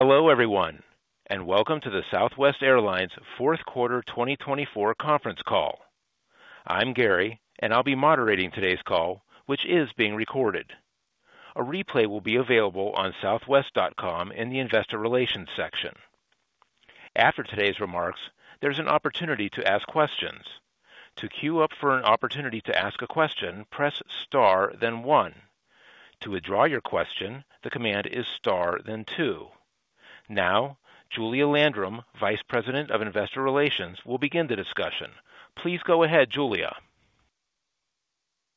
Hello, everyone, and welcome to the Southwest Airlines Fourth Quarter 2024 conference call. I'm Gary, and I'll be moderating today's call, which is being recorded. A replay will be available on southwest.com in the Investor Relations section. After today's remarks, there's an opportunity to ask questions. To queue up for an opportunity to ask a question, press Star, then One. To withdraw your question, the command is Star, then Two. Now, Julia Landrum, Vice President of Investor Relations, will begin the discussion. Please go ahead, Julia.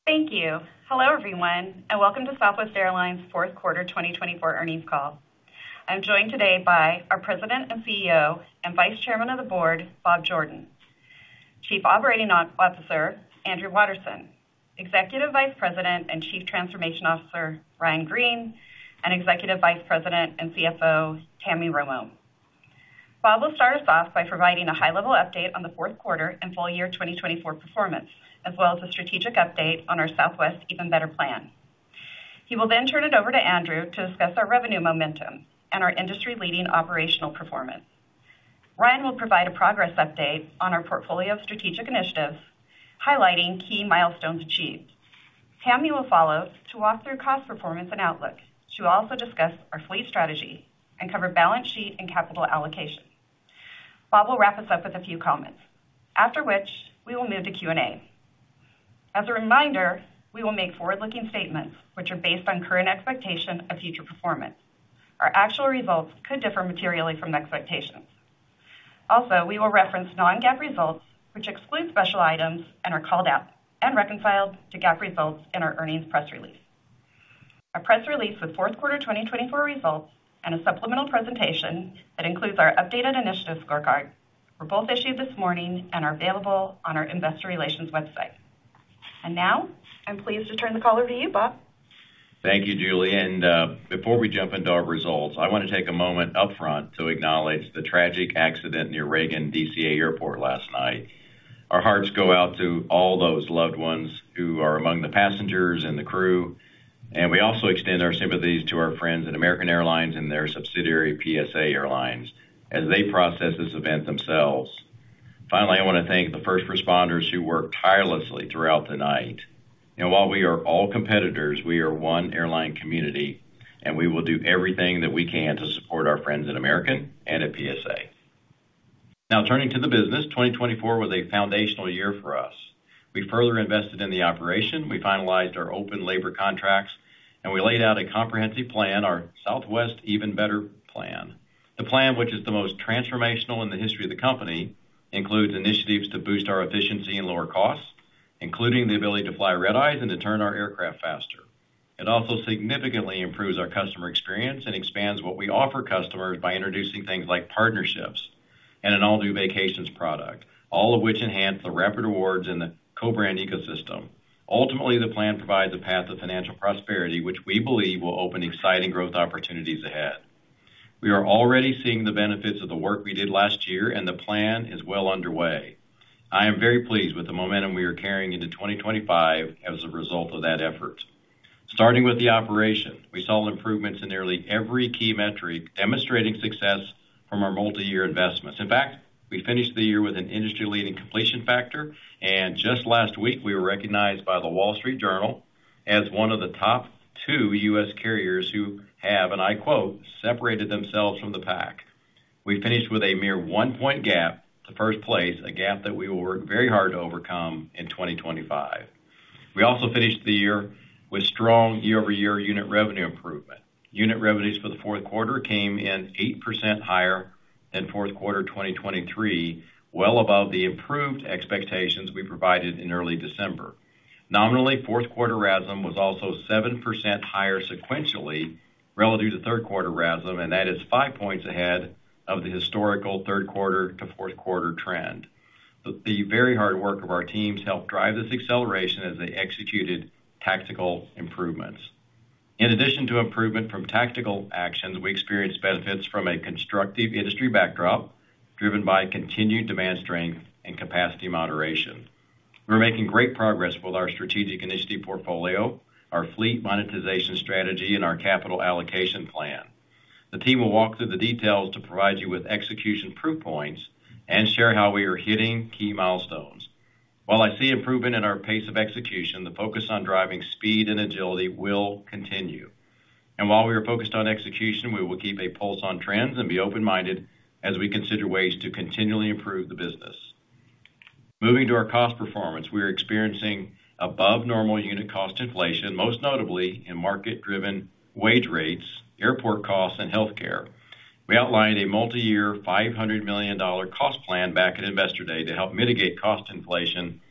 Thank you. Hello, everyone, and welcome to Southwest Airlines Fourth Quarter 2024 earnings call. I'm joined today by our President and CEO and Vice Chairman of the Board, Bob Jordan, Chief Operating Officer, Andrew Watterson, Executive Vice President and Chief Transformation Officer, Ryan Green, and Executive Vice President and CFO, Tammy Romo. Bob will start us off by providing a high-level update on the fourth quarter and full year 2024 performance, as well as a strategic update on our Southwest Even Better plan. He will then turn it over to Andrew to discuss our revenue momentum and our industry-leading operational performance. Ryan will provide a progress update on our portfolio of strategic initiatives, highlighting key milestones achieved. Tammy will follow to walk through cost performance and outlook. She will also discuss our fleet strategy and cover balance sheet and capital allocation. Bob will wrap us up with a few comments, after which we will move to Q&A. As a reminder, we will make forward-looking statements, which are based on current expectations of future performance. Our actual results could differ materially from expectations. Also, we will reference non-GAAP results, which exclude special items and are called out and reconciled to GAAP results in our earnings press release. A press release with fourth quarter 2024 results and a supplemental presentation that includes our updated initiative scorecard were both issued this morning and are available on our Investor Relations website, and now I'm pleased to turn the call over to you, Bob. Thank you, Julia. And before we jump into our results, I want to take a moment upfront to acknowledge the tragic accident near Reagan DCA Airport last night. Our hearts go out to all those loved ones who are among the passengers and the crew. And we also extend our sympathies to our friends at American Airlines and their subsidiary, PSA Airlines, as they process this event themselves. Finally, I want to thank the first responders who worked tirelessly throughout the night. And while we are all competitors, we are one airline community, and we will do everything that we can to support our friends at American and at PSA. Now, turning to the business, 2024 was a foundational year for us. We further invested in the operation. We finalized our open labor contracts, and we laid out a comprehensive plan, our Southwest Even Better plan. The plan, which is the most transformational in the history of the company, includes initiatives to boost our efficiency and lower costs, including the ability to fly red-eyes and to turn our aircraft faster. It also significantly improves our customer experience and expands what we offer customers by introducing things like partnerships and an all-new vacations product, all of which enhance the Rapid Rewards and the co-brand ecosystem. Ultimately, the plan provides a path to financial prosperity, which we believe will open exciting growth opportunities ahead. We are already seeing the benefits of the work we did last year, and the plan is well underway. I am very pleased with the momentum we are carrying into 2025 as a result of that effort. Starting with the operation, we saw improvements in nearly every key metric, demonstrating success from our multi-year investments. In fact, we finished the year with an industry-leading completion factor. And just last week, we were recognized by The Wall Street Journal as one of the top two U.S. carriers who have, and I quote, "separated themselves from the pack." We finished with a mere one-point gap to first place, a gap that we will work very hard to overcome in 2025. We also finished the year with strong year-over-year unit revenue improvement. Unit revenues for the fourth quarter came in 8% higher than fourth quarter 2023, well above the improved expectations we provided in early December. Nominally, fourth quarter RASM was also 7% higher sequentially relative to third quarter RASM, and that is five points ahead of the historical third quarter to fourth quarter trend. The very hard work of our teams helped drive this acceleration as they executed tactical improvements. In addition to improvement from tactical actions, we experienced benefits from a constructive industry backdrop driven by continued demand strength and capacity moderation. We're making great progress with our strategic initiative portfolio, our fleet monetization strategy, and our capital allocation plan. The team will walk through the details to provide you with execution proof points and share how we are hitting key milestones. While I see improvement in our pace of execution, the focus on driving speed and agility will continue. And while we are focused on execution, we will keep a pulse on trends and be open-minded as we consider ways to continually improve the business. Moving to our cost performance, we are experiencing above-normal unit cost inflation, most notably in market-driven wage rates, airport costs, and healthcare. We outlined a multi-year $500 million cost plan back at Investor Day to help mitigate cost inflation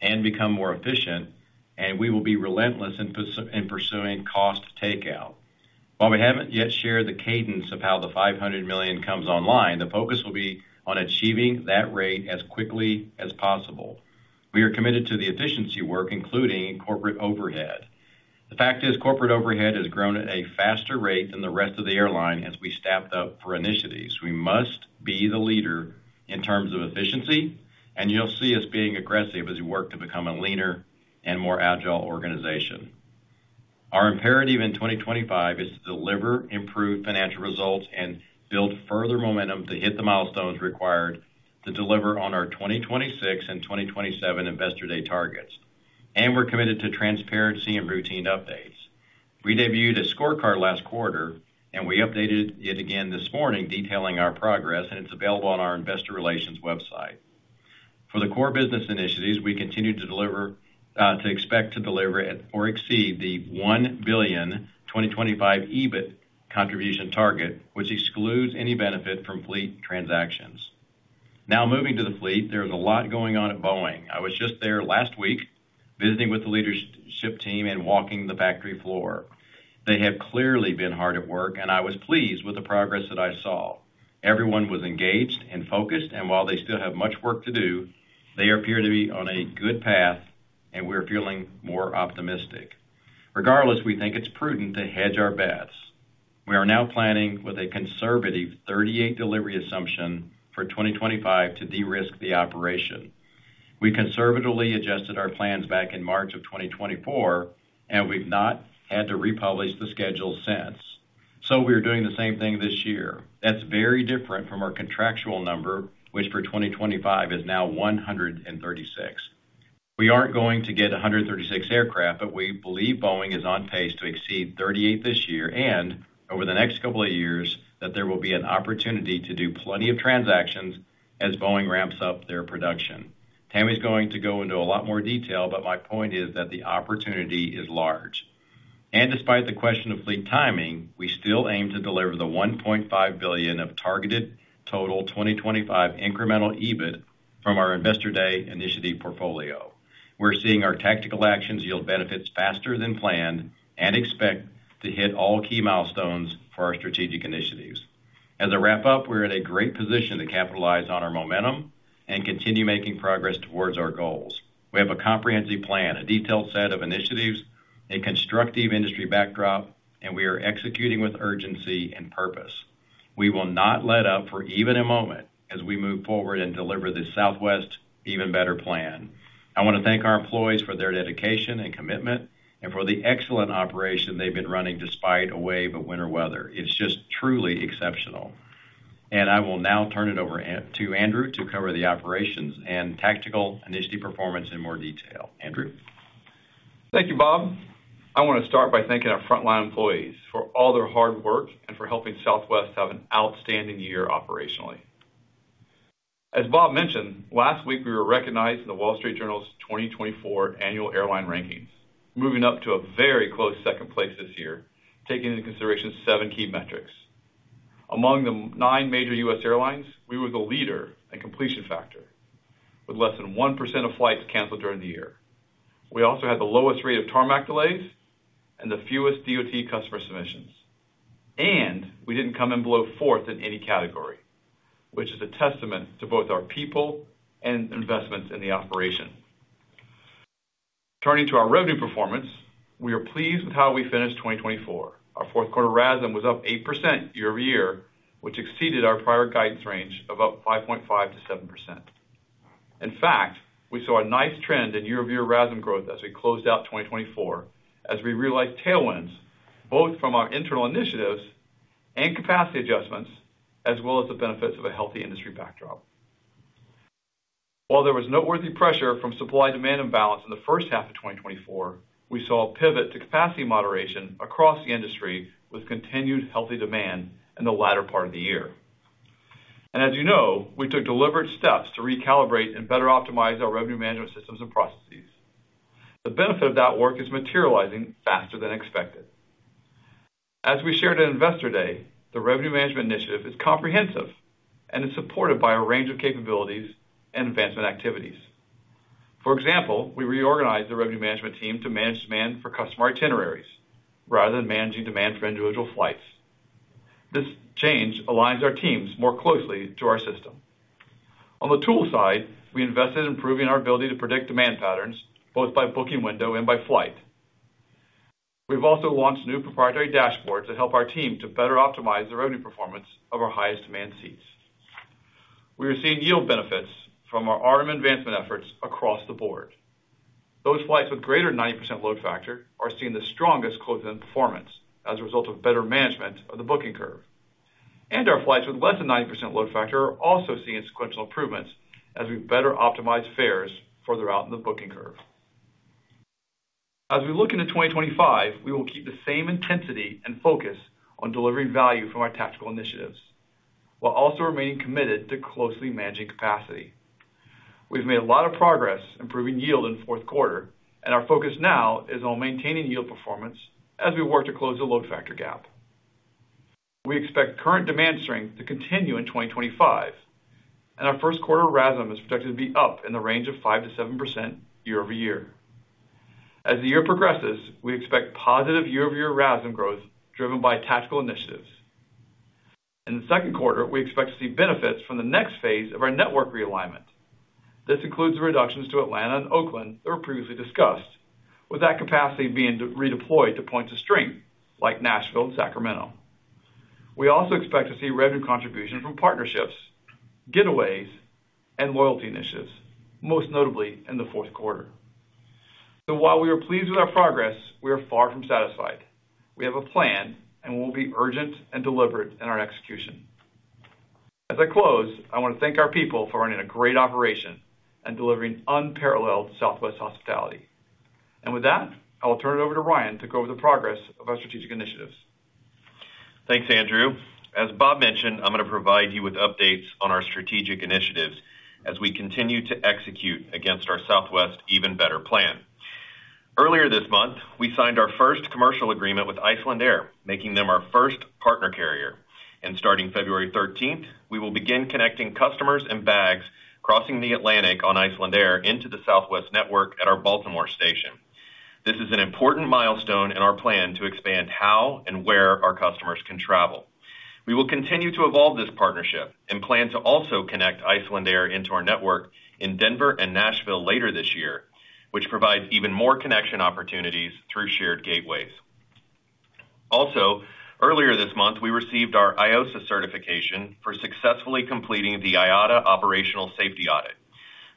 and become more efficient, and we will be relentless in pursuing cost takeout. While we haven't yet shared the cadence of how the $500 million comes online, the focus will be on achieving that rate as quickly as possible. We are committed to the efficiency work, including corporate overhead. The fact is, corporate overhead has grown at a faster rate than the rest of the airline as we staffed up for initiatives. We must be the leader in terms of efficiency, and you'll see us being aggressive as we work to become a leaner and more agile organization. Our imperative in 2025 is to deliver, improve financial results, and build further momentum to hit the milestones required to deliver on our 2026 and 2027 Investor Day targets. We're committed to transparency and routine updates. We debuted a scorecard last quarter, and we updated it again this morning, detailing our progress, and it's available on our Investor Relations website. For the core business initiatives, we continue to expect to deliver or exceed the $1 billion 2025 EBIT contribution target, which excludes any benefit from fleet transactions. Now, moving to the fleet, there is a lot going on at Boeing. I was just there last week visiting with the leadership team and walking the factory floor. They have clearly been hard at work, and I was pleased with the progress that I saw. Everyone was engaged and focused, and while they still have much work to do, they appear to be on a good path, and we're feeling more optimistic. Regardless, we think it's prudent to hedge our bets. We are now planning with a conservative 38 delivery assumption for 2025 to de-risk the operation. We conservatively adjusted our plans back in March of 2024, and we've not had to republish the schedule since, so we are doing the same thing this year. That's very different from our contractual number, which for 2025 is now 136. We aren't going to get 136 aircraft, but we believe Boeing is on pace to exceed 38 this year and, over the next couple of years, that there will be an opportunity to do plenty of transactions as Boeing ramps up their production. Tammy's going to go into a lot more detail, but my point is that the opportunity is large, and despite the question of fleet timing, we still aim to deliver the $1.5 billion of targeted total 2025 incremental EBIT from our Investor Day initiative portfolio. We're seeing our tactical actions yield benefits faster than planned and expect to hit all key milestones for our strategic initiatives. As a wrap-up, we're in a great position to capitalize on our momentum and continue making progress towards our goals. We have a comprehensive plan, a detailed set of initiatives, a constructive industry backdrop, and we are executing with urgency and purpose. We will not let up for even a moment as we move forward and deliver this Southwest Even Better plan. I want to thank our employees for their dedication and commitment and for the excellent operation they've been running despite a wave of winter weather. It's just truly exceptional, and I will now turn it over to Andrew to cover the operations and tactical initiative performance in more detail. Andrew. Thank you, Bob. I want to start by thanking our frontline employees for all their hard work and for helping Southwest have an outstanding year operationally. As Bob mentioned, last week we were recognized in The Wall Street Journal's 2024 annual airline rankings, moving up to a very close second place this year, taking into consideration seven key metrics. Among the nine major U.S. airlines, we were the leader in completion factor, with less than 1% of flights canceled during the year. We also had the lowest rate of tarmac delays and the fewest DOT customer submissions. And we didn't come in below fourth in any category, which is a testament to both our people and investments in the operation. Turning to our revenue performance, we are pleased with how we finished 2024. Our fourth quarter RASM was up 8% year-over-year, which exceeded our prior guidance range of up 5.5%-7%. In fact, we saw a nice trend in year-over-year RASM growth as we closed out 2024, as we realized tailwinds both from our internal initiatives and capacity adjustments, as well as the benefits of a healthy industry backdrop. While there was noteworthy pressure from supply-demand imbalance in the first half of 2024, we saw a pivot to capacity moderation across the industry with continued healthy demand in the latter part of the year. As you know, we took deliberate steps to recalibrate and better optimize our revenue management systems and processes. The benefit of that work is materializing faster than expected. As we shared at Investor Day, the revenue management initiative is comprehensive and is supported by a range of capabilities and advancement activities. For example, we reorganized the revenue management team to manage demand for customer itineraries rather than managing demand for individual flights. This change aligns our teams more closely to our system. On the tool side, we invested in improving our ability to predict demand patterns both by booking window and by flight. We've also launched new proprietary dashboards that help our team to better optimize the revenue performance of our highest demand seats. We are seeing yield benefits from our RM advancement efforts across the board. Those flights with greater than 90% load factor are seeing the strongest quoted performance as a result of better management of the booking curve, and our flights with less than 90% load factor are also seeing sequential improvements as we've better optimized fares further out in the booking curve. As we look into 2025, we will keep the same intensity and focus on delivering value from our tactical initiatives while also remaining committed to closely managing capacity. We've made a lot of progress improving yield in fourth quarter, and our focus now is on maintaining yield performance as we work to close the load factor gap. We expect current demand strength to continue in 2025, and our first quarter RASM is projected to be up in the range of 5% to 7% year-over-year. As the year progresses, we expect positive year-over-year RASM growth driven by tactical initiatives. In the second quarter, we expect to see benefits from the next phase of our network realignment. This includes the reductions to Atlanta and Oakland that were previously discussed, with that capacity being redeployed to points of strength like Nashville and Sacramento. We also expect to see revenue contributions from partnerships, Getaways, and loyalty initiatives, most notably in the fourth quarter. So while we are pleased with our progress, we are far from satisfied. We have a plan, and we will be urgent and deliberate in our execution. As I close, I want to thank our people for running a great operation and delivering unparalleled Southwest hospitality, and with that, I will turn it over to Ryan to go over the progress of our strategic initiatives. Thanks, Andrew. As Bob mentioned, I'm going to provide you with updates on our strategic initiatives as we continue to execute against our Southwest Even Better plan. Earlier this month, we signed our first commercial agreement with Icelandair, making them our first partner carrier. And starting February 13th, we will begin connecting customers and bags crossing the Atlantic on Icelandair into the Southwest network at our Baltimore station. This is an important milestone in our plan to expand how and where our customers can travel. We will continue to evolve this partnership and plan to also connect Icelandair into our network in Denver and Nashville later this year, which provides even more connection opportunities through shared gateways. Also, earlier this month, we received our IOSA certification for successfully completing the IATA Operational Safety Audit.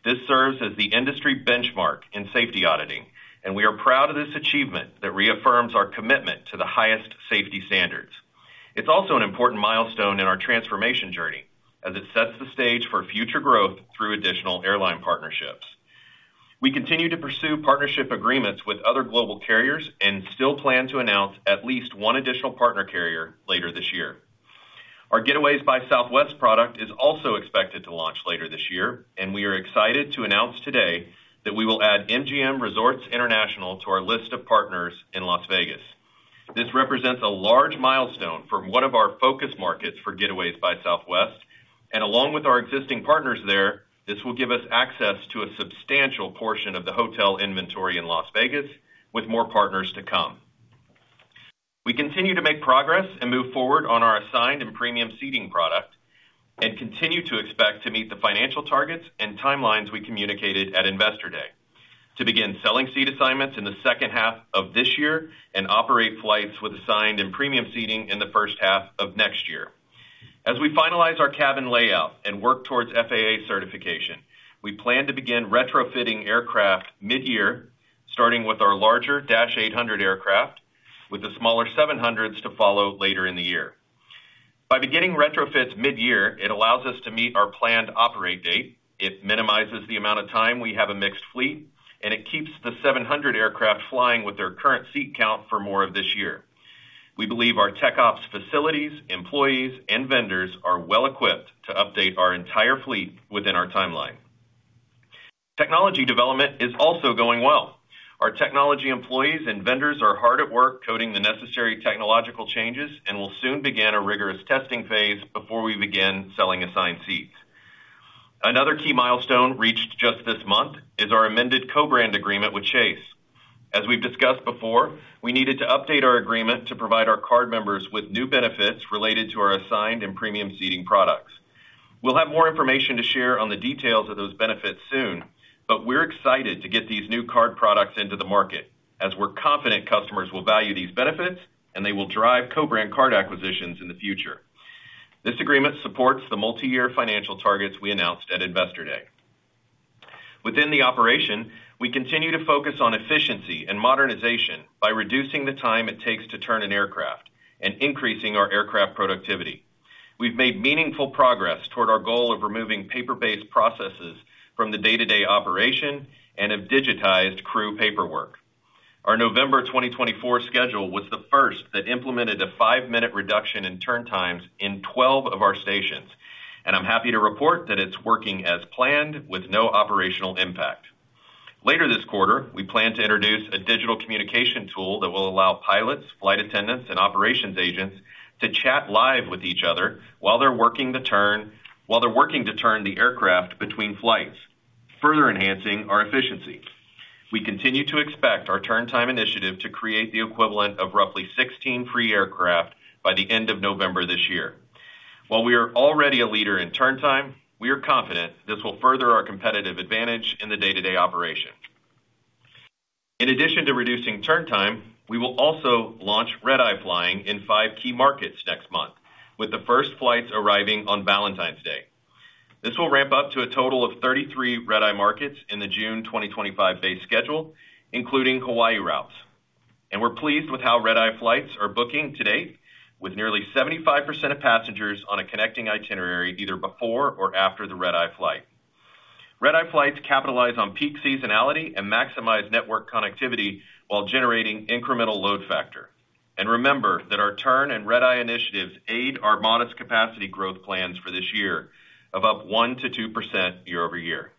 This serves as the industry benchmark in safety auditing, and we are proud of this achievement that reaffirms our commitment to the highest safety standards. It's also an important milestone in our transformation journey as it sets the stage for future growth through additional airline partnerships. We continue to pursue partnership agreements with other global carriers and still plan to announce at least one additional partner carrier later this year. Our Getaways by Southwest product is also expected to launch later this year, and we are excited to announce today that we will add MGM Resorts International to our list of partners in Las Vegas. This represents a large milestone for one of our focus markets for Getaways by Southwest, and along with our existing partners there, this will give us access to a substantial portion of the hotel inventory in Las Vegas with more partners to come. We continue to make progress and move forward on our assigned and premium seating product and continue to expect to meet the financial targets and timelines we communicated at Investor Day to begin selling seat assignments in the second half of this year and operate flights with assigned and premium seating in the first half of next year. As we finalize our cabin layout and work towards FAA certification, we plan to begin retrofitting aircraft mid-year, starting with our larger -800 aircraft with the smaller 700s to follow later in the year. By beginning retrofits mid-year, it allows us to meet our planned operate date. It minimizes the amount of time we have a mixed fleet, and it keeps the 700 aircraft flying with their current seat count for more of this year. We believe our tech ops facilities, employees, and vendors are well equipped to update our entire fleet within our timeline. Technology development is also going well. Our technology employees and vendors are hard at work coding the necessary technological changes and will soon begin a rigorous testing phase before we begin selling assigned seats. Another key milestone reached just this month is our amended co-brand agreement with Chase. As we've discussed before, we needed to update our agreement to provide our card members with new benefits related to our assigned and premium seating products. We'll have more information to share on the details of those benefits soon, but we're excited to get these new card products into the market as we're confident customers will value these benefits and they will drive co-brand card acquisitions in the future. This agreement supports the multi-year financial targets we announced at Investor Day. Within the operation, we continue to focus on efficiency and modernization by reducing the time it takes to turn an aircraft and increasing our aircraft productivity. We've made meaningful progress toward our goal of removing paper-based processes from the day-to-day operation and have digitized crew paperwork. Our November 2024 schedule was the first that implemented a five-minute reduction in turn times in 12 of our stations, and I'm happy to report that it's working as planned with no operational impact. Later this quarter, we plan to introduce a digital communication tool that will allow pilots, flight attendants, and operations agents to chat live with each other while they're working the turn to turn the aircraft between flights, further enhancing our efficiency. We continue to expect our turn time initiative to create the equivalent of roughly 16 free aircraft by the end of November this year. While we are already a leader in turn time, we are confident this will further our competitive advantage in the day-to-day operation. In addition to reducing turn time, we will also launch red-eye flying in five key markets next month, with the first flights arriving on Valentine's Day. This will ramp up to a total of 33 red-eye markets in the June 2025 base schedule, including Hawaii routes. And we're pleased with how red-eye flights are booking to date, with nearly 75% of passengers on a connecting itinerary either before or after the red-eye flight. Red-eye flights capitalize on peak seasonality and maximize network connectivity while generating incremental load factor. And remember that our turn and red-eye initiatives aid our modest capacity growth plans for this year of up 1%-2% year-over-year.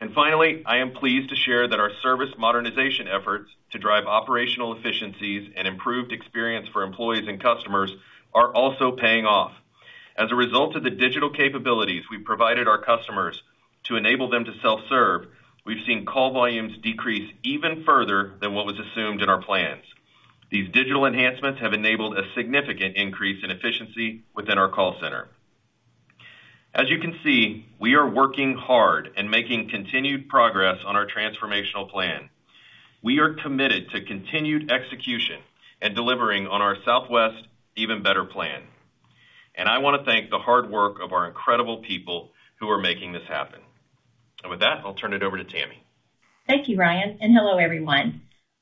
And finally, I am pleased to share that our service modernization efforts to drive operational efficiencies and improved experience for employees and customers are also paying off. As a result of the digital capabilities we've provided our customers to enable them to self-serve, we've seen call volumes decrease even further than what was assumed in our plans. These digital enhancements have enabled a significant increase in efficiency within our call center. As you can see, we are working hard and making continued progress on our transformational plan. We are committed to continued execution and delivering on our Southwest Even Better plan. And I want to thank the hard work of our incredible people who are making this happen. And with that, I'll turn it over to Tammy. Thank you, Ryan. And hello, everyone.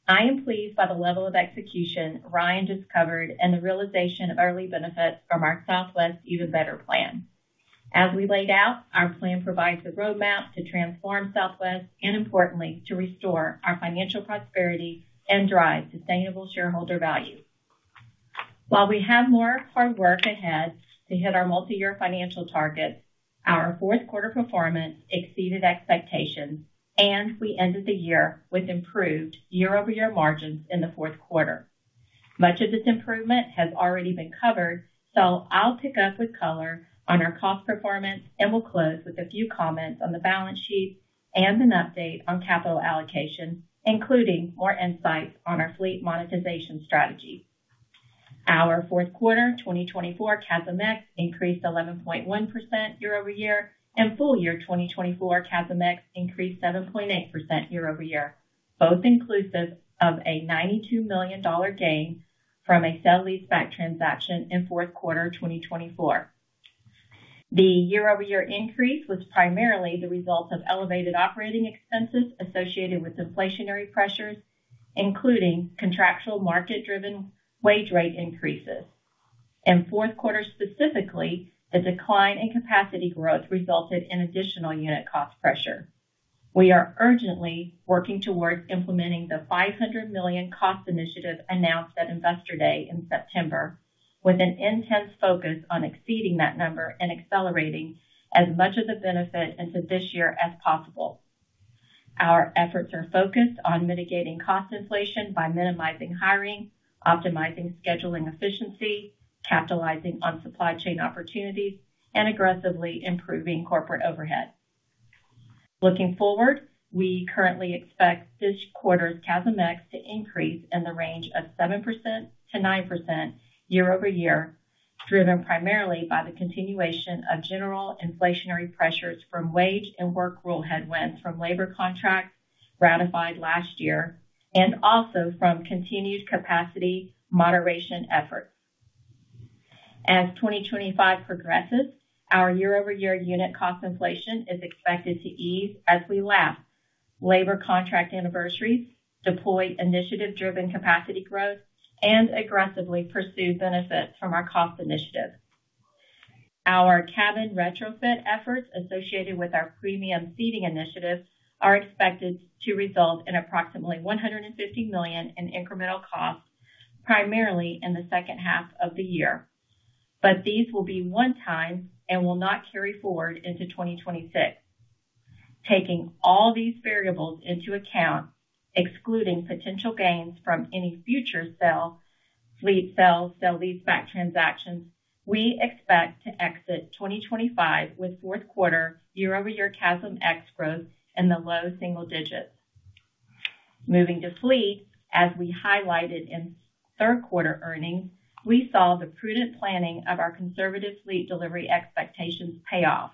I am pleased by the level of execution Ryan just covered and the realization of early benefits from our Southwest Even Better plan. As we laid out, our plan provides a roadmap to transform Southwest and, importantly, to restore our financial prosperity and drive sustainable shareholder value. While we have more hard work ahead to hit our multi-year financial targets, our fourth quarter performance exceeded expectations, and we ended the year with improved year-over-year margins in the fourth quarter. Much of this improvement has already been covered, so I'll pick up with color on our cost performance and will close with a few comments on the balance sheet and an update on capital allocation, including more insights on our fleet monetization strategy. Our fourth quarter 2024 CASM-ex increased 11.1% year-over-year, and full year 2024 CASM-ex increased 7.8% year-over-year, both inclusive of a $92 million gain from a sale-leaseback transaction in fourth quarter 2024. The year-over-year increase was primarily the result of elevated operating expenses associated with inflationary pressures, including contractual market-driven wage rate increases. In fourth quarter specifically, the decline in capacity growth resulted in additional unit cost pressure. We are urgently working towards implementing the $500 million cost initiative announced at Investor Day in September, with an intense focus on exceeding that number and accelerating as much of the benefit into this year as possible. Our efforts are focused on mitigating cost inflation by minimizing hiring, optimizing scheduling efficiency, capitalizing on supply chain opportunities, and aggressively improving corporate overhead. Looking forward, we currently expect this quarter's CASM-ex to increase in the range of 7% to 9% year-over-year, driven primarily by the continuation of general inflationary pressures from wage and work rule headwinds from labor contracts ratified last year and also from continued capacity moderation efforts. As 2025 progresses, our year-over-year unit cost inflation is expected to ease as we lap labor contract anniversaries, deploy initiative-driven capacity growth, and aggressively pursue benefits from our cost initiative. Our cabin retrofit efforts associated with our premium seating initiative are expected to result in approximately $150 million in incremental costs, primarily in the second half of the year, but these will be one-time and will not carry forward into 2026. Taking all these variables into account, excluding potential gains from any future sale-leaseback transactions, we expect to exit 2025 with fourth quarter year-over-year CASM-ex growth in the low single digits. Moving to fleet, as we highlighted in third quarter earnings, we saw the prudent planning of our conservative fleet delivery expectations pay off.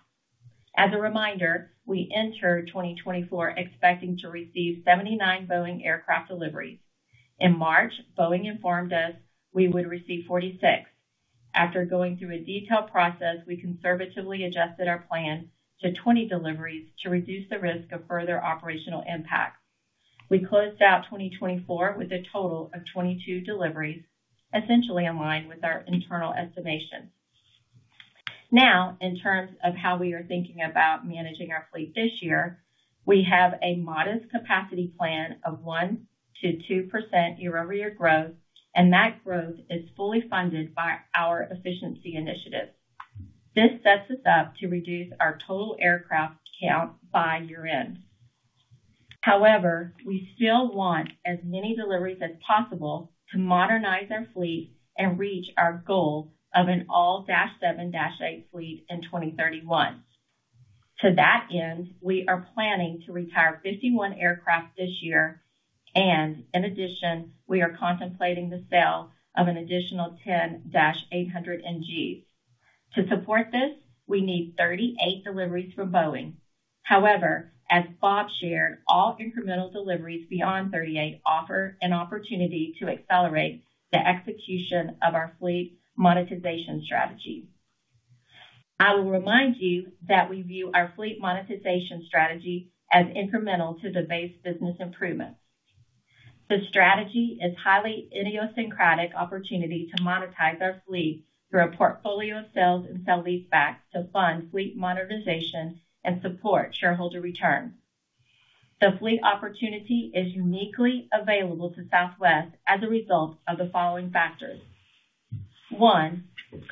As a reminder, we entered 2024 expecting to receive 79 Boeing aircraft deliveries. In March, Boeing informed us we would receive 46. After going through a detailed process, we conservatively adjusted our plan to 20 deliveries to reduce the risk of further operational impacts. We closed out 2024 with a total of 22 deliveries, essentially in line with our internal estimation. Now, in terms of how we are thinking about managing our fleet this year, we have a modest capacity plan of 1% to 2% year-over-year growth, and that growth is fully funded by our efficiency initiative. This sets us up to reduce our total aircraft count by year-end. However, we still want as many deliveries as possible to modernize our fleet and reach our goal of an all -7 -8 fleet in 2031. To that end, we are planning to retire 51 aircraft this year, and in addition, we are contemplating the sale of an additional 10 -800 NGs. To support this, we need 38 deliveries from Boeing. However, as Bob shared, all incremental deliveries beyond 38 offer an opportunity to accelerate the execution of our fleet monetization strategy. I will remind you that we view our fleet monetization strategy as incremental to the base business improvements. The strategy is a highly idiosyncratic opportunity to monetize our fleet through a portfolio of sales and sale-leaseback to fund fleet monetization and support shareholder return. The fleet opportunity is uniquely available to Southwest as a result of the following factors: one,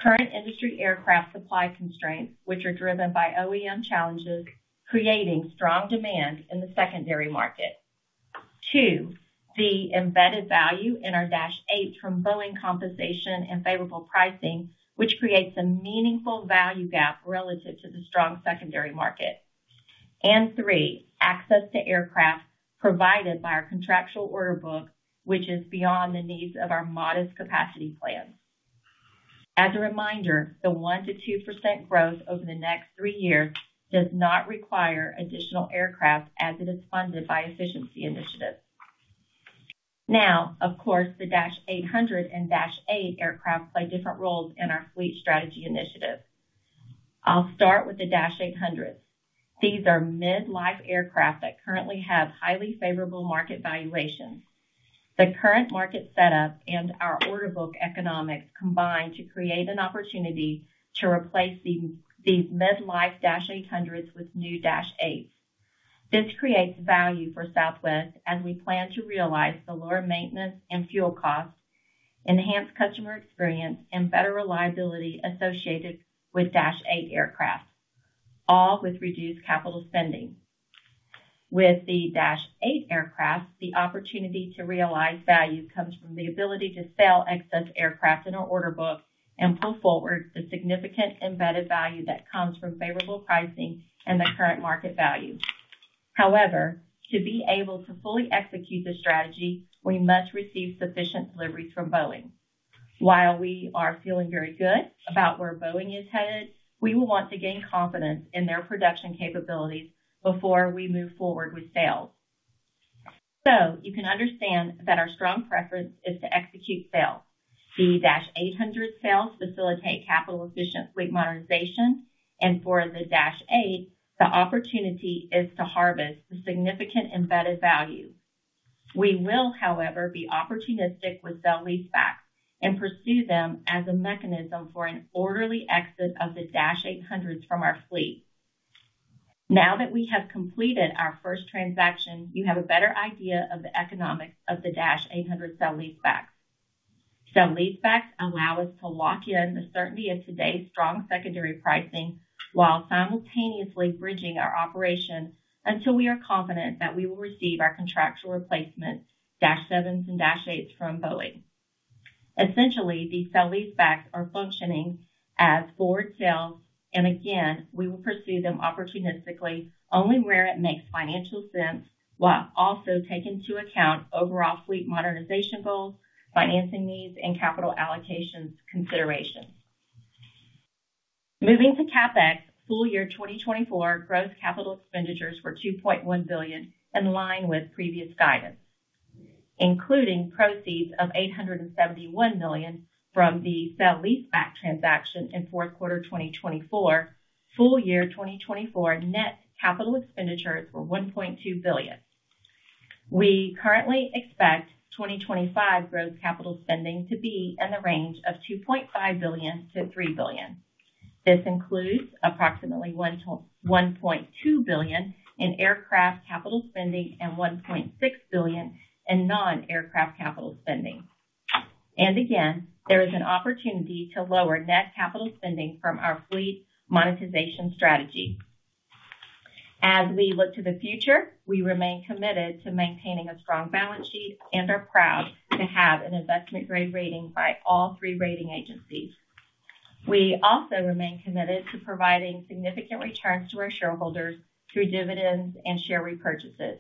current industry aircraft supply constraints, which are driven by OEM challenges, creating strong demand in the secondary market, two, the embedded value in our -8 from Boeing compensation and favorable pricing, which creates a meaningful value gap relative to the strong secondary market, and three, access to aircraft provided by our contractual order book, which is beyond the needs of our modest capacity plans. As a reminder, the 1% to 2% growth over the next three years does not require additional aircraft as it is funded by efficiency initiatives. Now, of course, the -800 and -8 aircraft play different roles in our fleet strategy initiative. I'll start with the -800s. These are mid-life aircraft that currently have highly favorable market valuations. The current market setup and our order book economics combine to create an opportunity to replace these mid-life -800s with new -8s. This creates value for Southwest as we plan to realize the lower maintenance and fuel cost, enhance customer experience, and better reliability associated with -8 aircraft, all with reduced capital spending. With the -8 aircraft, the opportunity to realize value comes from the ability to sell excess aircraft in our order book and pull forward the significant embedded value that comes from favorable pricing and the current market value. However, to be able to fully execute the strategy, we must receive sufficient deliveries from Boeing. While we are feeling very good about where Boeing is headed, we will want to gain confidence in their production capabilities before we move forward with sales. You can understand that our strong preference is to execute sales. The -800 sales facilitate capital-efficient fleet modernization, and for the -8, the opportunity is to harvest the significant embedded value. We will, however, be opportunistic with sale-leaseback and pursue them as a mechanism for an orderly exit of the -800s from our fleet. Now that we have completed our first transaction, you have a better idea of the economics of the -800 sale-leaseback. Sale-leasebacks allow us to lock in the certainty of today's strong secondary pricing while simultaneously bridging our operation until we are confident that we will receive our contractual replacement -7s and -8s from Boeing. Essentially, these sale-leasebacks are functioning as forward sales, and again, we will pursue them opportunistically only where it makes financial sense while also taking into account overall fleet modernization goals, financing needs, and capital allocation considerations. Moving to CapEx, full year 2024 gross capital expenditures were $2.1 billion in line with previous guidance, including proceeds of $871 million from the sale-leaseback transaction in fourth quarter 2024. Full year 2024 net capital expenditures were $1.2 billion. We currently expect 2025 gross capital spending to be in the range of $2.5 billion-$3 billion. This includes approximately $1.2 billion in aircraft capital spending and $1.6 billion in non-aircraft capital spending. Again, there is an opportunity to lower net capital spending from our fleet monetization strategy. As we look to the future, we remain committed to maintaining a strong balance sheet and are proud to have an investment-grade rating by all three rating agencies. We also remain committed to providing significant returns to our shareholders through dividends and share repurchases.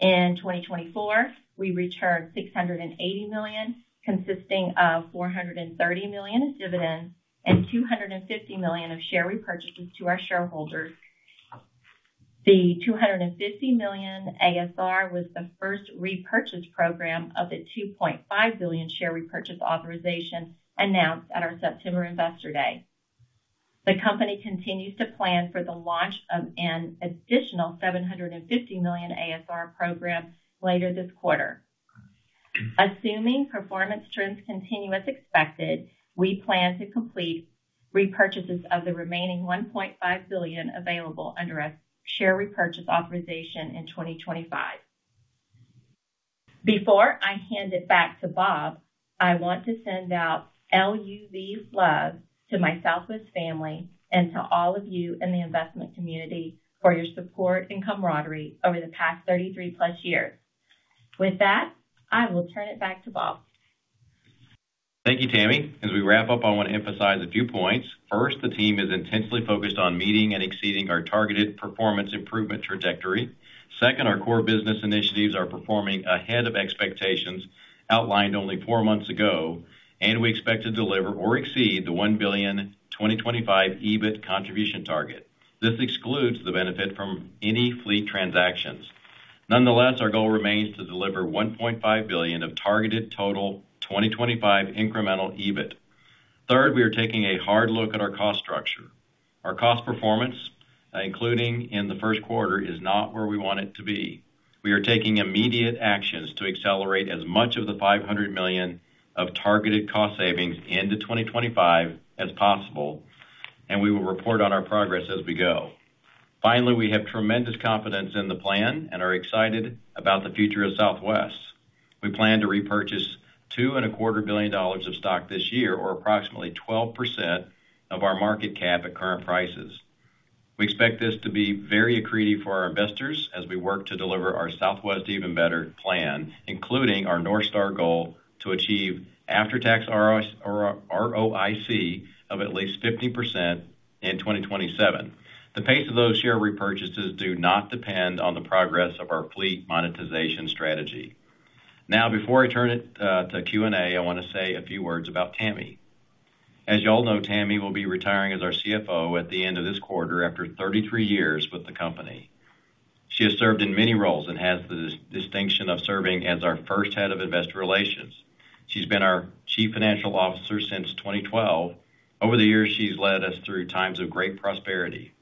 In 2024, we returned $680 million, consisting of $430 million in dividends and $250 million of share repurchases to our shareholders. The $250 million ASR was the first repurchase program of the $2.5 billion share repurchase authorization announced at our September Investor Day. The company continues to plan for the launch of an additional $750 million ASR program later this quarter. Assuming performance trends continue as expected, we plan to complete repurchases of the remaining $1.5 billion available under a share repurchase authorization in 2025. Before I hand it back to Bob, I want to send out LUV love to my Southwest family and to all of you in the investment community for your support and camaraderie over the past 33 plus years. With that, I will turn it back to Bob. Thank you, Tammy. As we wrap up, I want to emphasize a few points. First, the team is intensely focused on meeting and exceeding our targeted performance improvement trajectory. Second, our core business initiatives are performing ahead of expectations outlined only four months ago, and we expect to deliver or exceed the $1 billion 2025 EBIT contribution target. This excludes the benefit from any fleet transactions. Nonetheless, our goal remains to deliver $1.5 billion of targeted total 2025 incremental EBIT. Third, we are taking a hard look at our cost structure. Our cost performance, including in the first quarter, is not where we want it to be. We are taking immediate actions to accelerate as much of the $500 million of targeted cost savings into 2025 as possible, and we will report on our progress as we go. Finally, we have tremendous confidence in the plan and are excited about the future of Southwest. We plan to repurchase $2.25 billion of stock this year, or approximately 12% of our market cap at current prices. We expect this to be very accretive for our investors as we work to deliver our Southwest Even Better plan, including our North Star goal to achieve after-tax ROIC of at least 50% in 2027. The pace of those share repurchases do not depend on the progress of our fleet monetization strategy. Now, before I turn it to Q&A, I want to say a few words about Tammy. As you all know, Tammy will be retiring as our CFO at the end of this quarter after 33 years with the company. She has served in many roles and has the distinction of serving as our first head of investor relations. She's been our Chief Financial Officer since 2012. Over the years, she's led us through times of great prosperity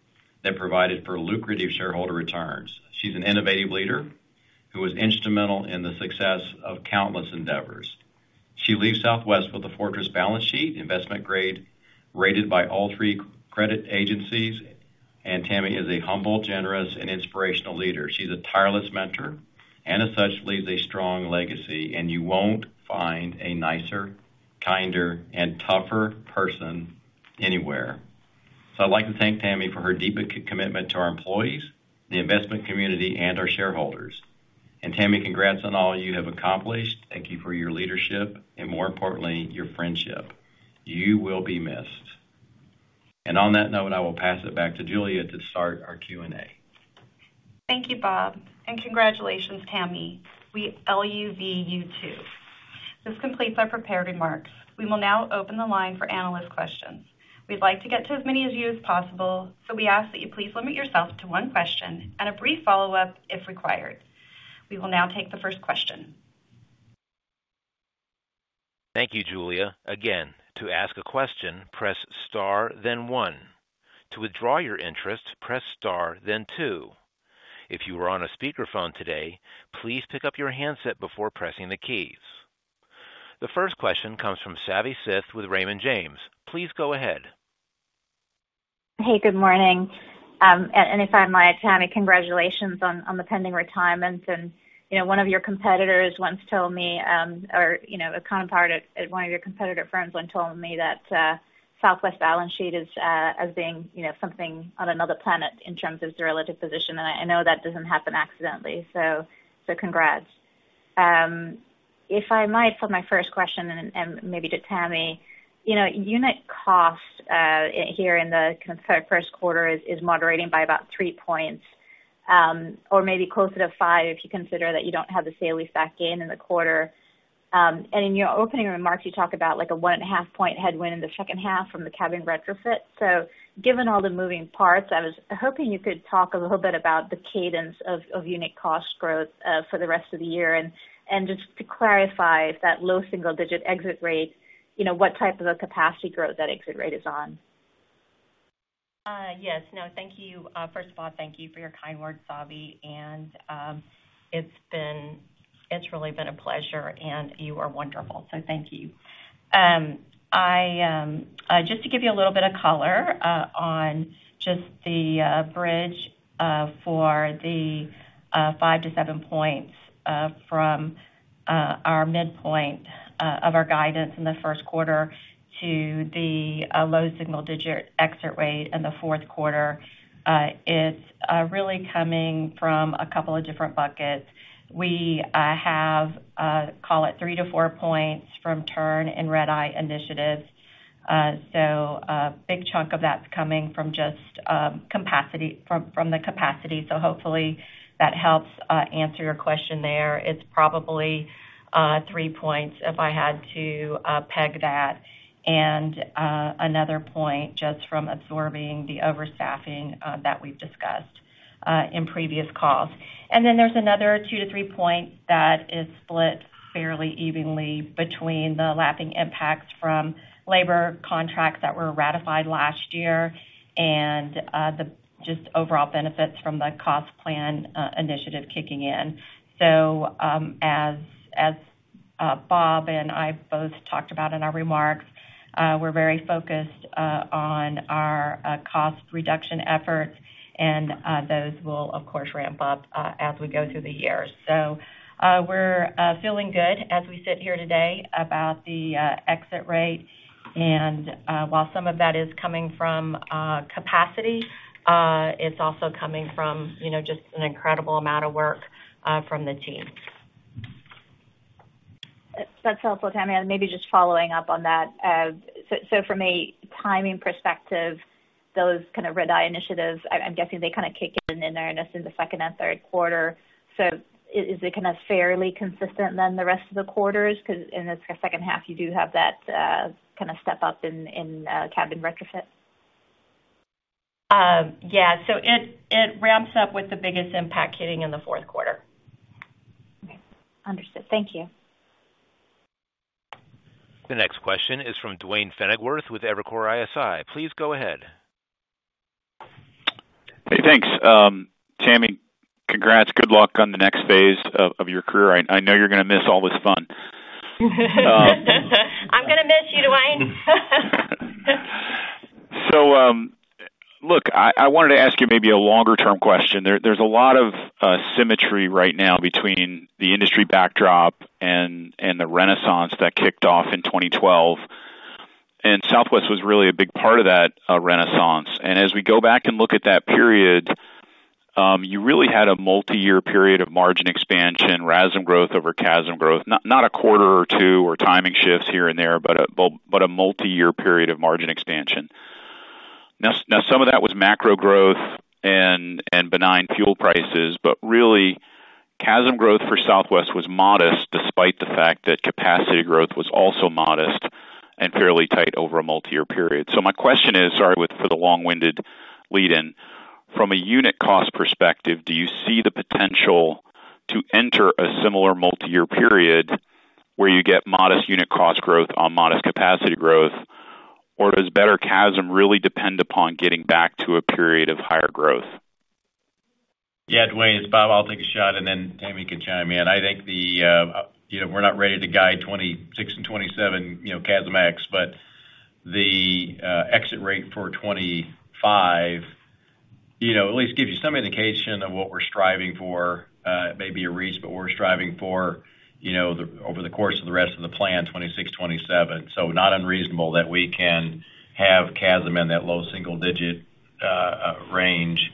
that provided for lucrative shareholder returns. She's an innovative leader who was instrumental in the success of countless endeavors. She leaves Southwest with a fortress balance sheet, investment-grade rated by all three credit agencies, and Tammy is a humble, generous, and inspirational leader. She's a tireless mentor and, as such, leaves a strong legacy, and you won't find a nicer, kinder, and tougher person anywhere. So I'd like to thank Tammy for her deep commitment to our employees, the investment community, and our shareholders. And Tammy, congrats on all you have accomplished. Thank you for your leadership and, more importantly, your friendship. You will be missed. And on that note, I will pass it back to Julia to start our Q&A. Thank you, Bob, and congratulations, Tammy. We LUV you too. This completes our prepared remarks. We will now open the line for analyst questions. We'd like to get to as many as you as possible, so we ask that you please limit yourself to one question and a brief follow-up if required. We will now take the first question. Thank you, Julia. Again, to ask a question, press Star, then One. To withdraw your interest, press Star, then Two. If you are on a speakerphone today, please pick up your handset before pressing the keys. The first question comes from Savanthi Syth with Raymond James. Please go ahead. Hey, good morning. And if I'm right, Tammy, congratulations on the pending retirement. And one of your competitors once told me, or a counterpart at one of your competitor firms once told me that Southwest balance sheet is something on another planet in terms of their relative position. And I know that doesn't happen accidentally, so congrats. If I might, for my first question, and maybe to Tammy, unit cost here in the kind of first quarter is moderating by about three points, or maybe closer to five if you consider that you don't have the sale-leaseback gain in the quarter. And in your opening remarks, you talk about a one-and-a-half-point headwind in the second half from the cabin retrofit. So given all the moving parts, I was hoping you could talk a little bit about the cadence of unit cost growth for the rest of the year. Just to clarify, that low single-digit exit rate, what type of a capacity growth that exit rate is on? Yes. No, thank you. First of all, thank you for your kind words, Savvy. And it's really been a pleasure, and you are wonderful, so thank you. Just to give you a little bit of color on just the bridge for the five to seven points from our midpoint of our guidance in the first quarter to the low single-digit exit rate in the fourth quarter, it's really coming from a couple of different buckets. We have call it three to four points from Turn and Red-eye Initiatives. So a big chunk of that's coming from just the capacity. So hopefully, that helps answer your question there. It's probably three points if I had to peg that. And another point just from absorbing the overstaffing that we've discussed in previous calls. And then there's another 2-3 points that is split fairly evenly between the lapping impacts from labor contracts that were ratified last year and just overall benefits from the cost plan initiative kicking in. So as Bob and I both talked about in our remarks, we're very focused on our cost reduction efforts, and those will, of course, ramp up as we go through the years. So we're feeling good as we sit here today about the exit rate. And while some of that is coming from capacity, it's also coming from just an incredible amount of work from the team. That's helpful, Tammy, and maybe just following up on that, so from a timing perspective, those kind of red-eye initiatives, I'm guessing they kind of kick in in earnest in the second and third quarter, so is it kind of fairly consistent then the rest of the quarters? Because in the second half, you do have that kind of step up in cabin retrofit. Yeah, so it ramps up with the biggest impact hitting in the fourth quarter. Okay. Understood. Thank you. The next question is from Duane Pfennigwerth with Evercore ISI. Please go ahead. Hey, thanks. Tammy, congrats. Good luck on the next phase of your career. I know you're going to miss all this fun. I'm going to miss you, Duane. So look, I wanted to ask you maybe a longer-term question. There's a lot of symmetry right now between the industry backdrop and the renaissance that kicked off in 2012. And Southwest was really a big part of that renaissance. And as we go back and look at that period, you really had a multi-year period of margin expansion, RASM growth over CASM growth, not a quarter or two or timing shifts here and there, but a multi-year period of margin expansion. Now, some of that was macro growth and benign fuel prices, but really, CASM growth for Southwest was modest despite the fact that capacity growth was also modest and fairly tight over a multi-year period. So my question is, sorry for the long-winded lead-in, from a unit cost perspective, do you see the potential to enter a similar multi-year period where you get modest unit cost growth on modest capacity growth, or does better CASM really depend upon getting back to a period of higher growth? Yeah, Duane, it's Bob. I'll take a shot, and then Tammy can chime in. I think we're not ready to guide 2026 and 2027 CASM-ex, but the exit rate for 2025 at least gives you some indication of what we're striving for. It may be a reach, but we're striving for over the course of the rest of the plan, 2026, 2027, so not unreasonable that we can have CASM-ex in that low single-digit range.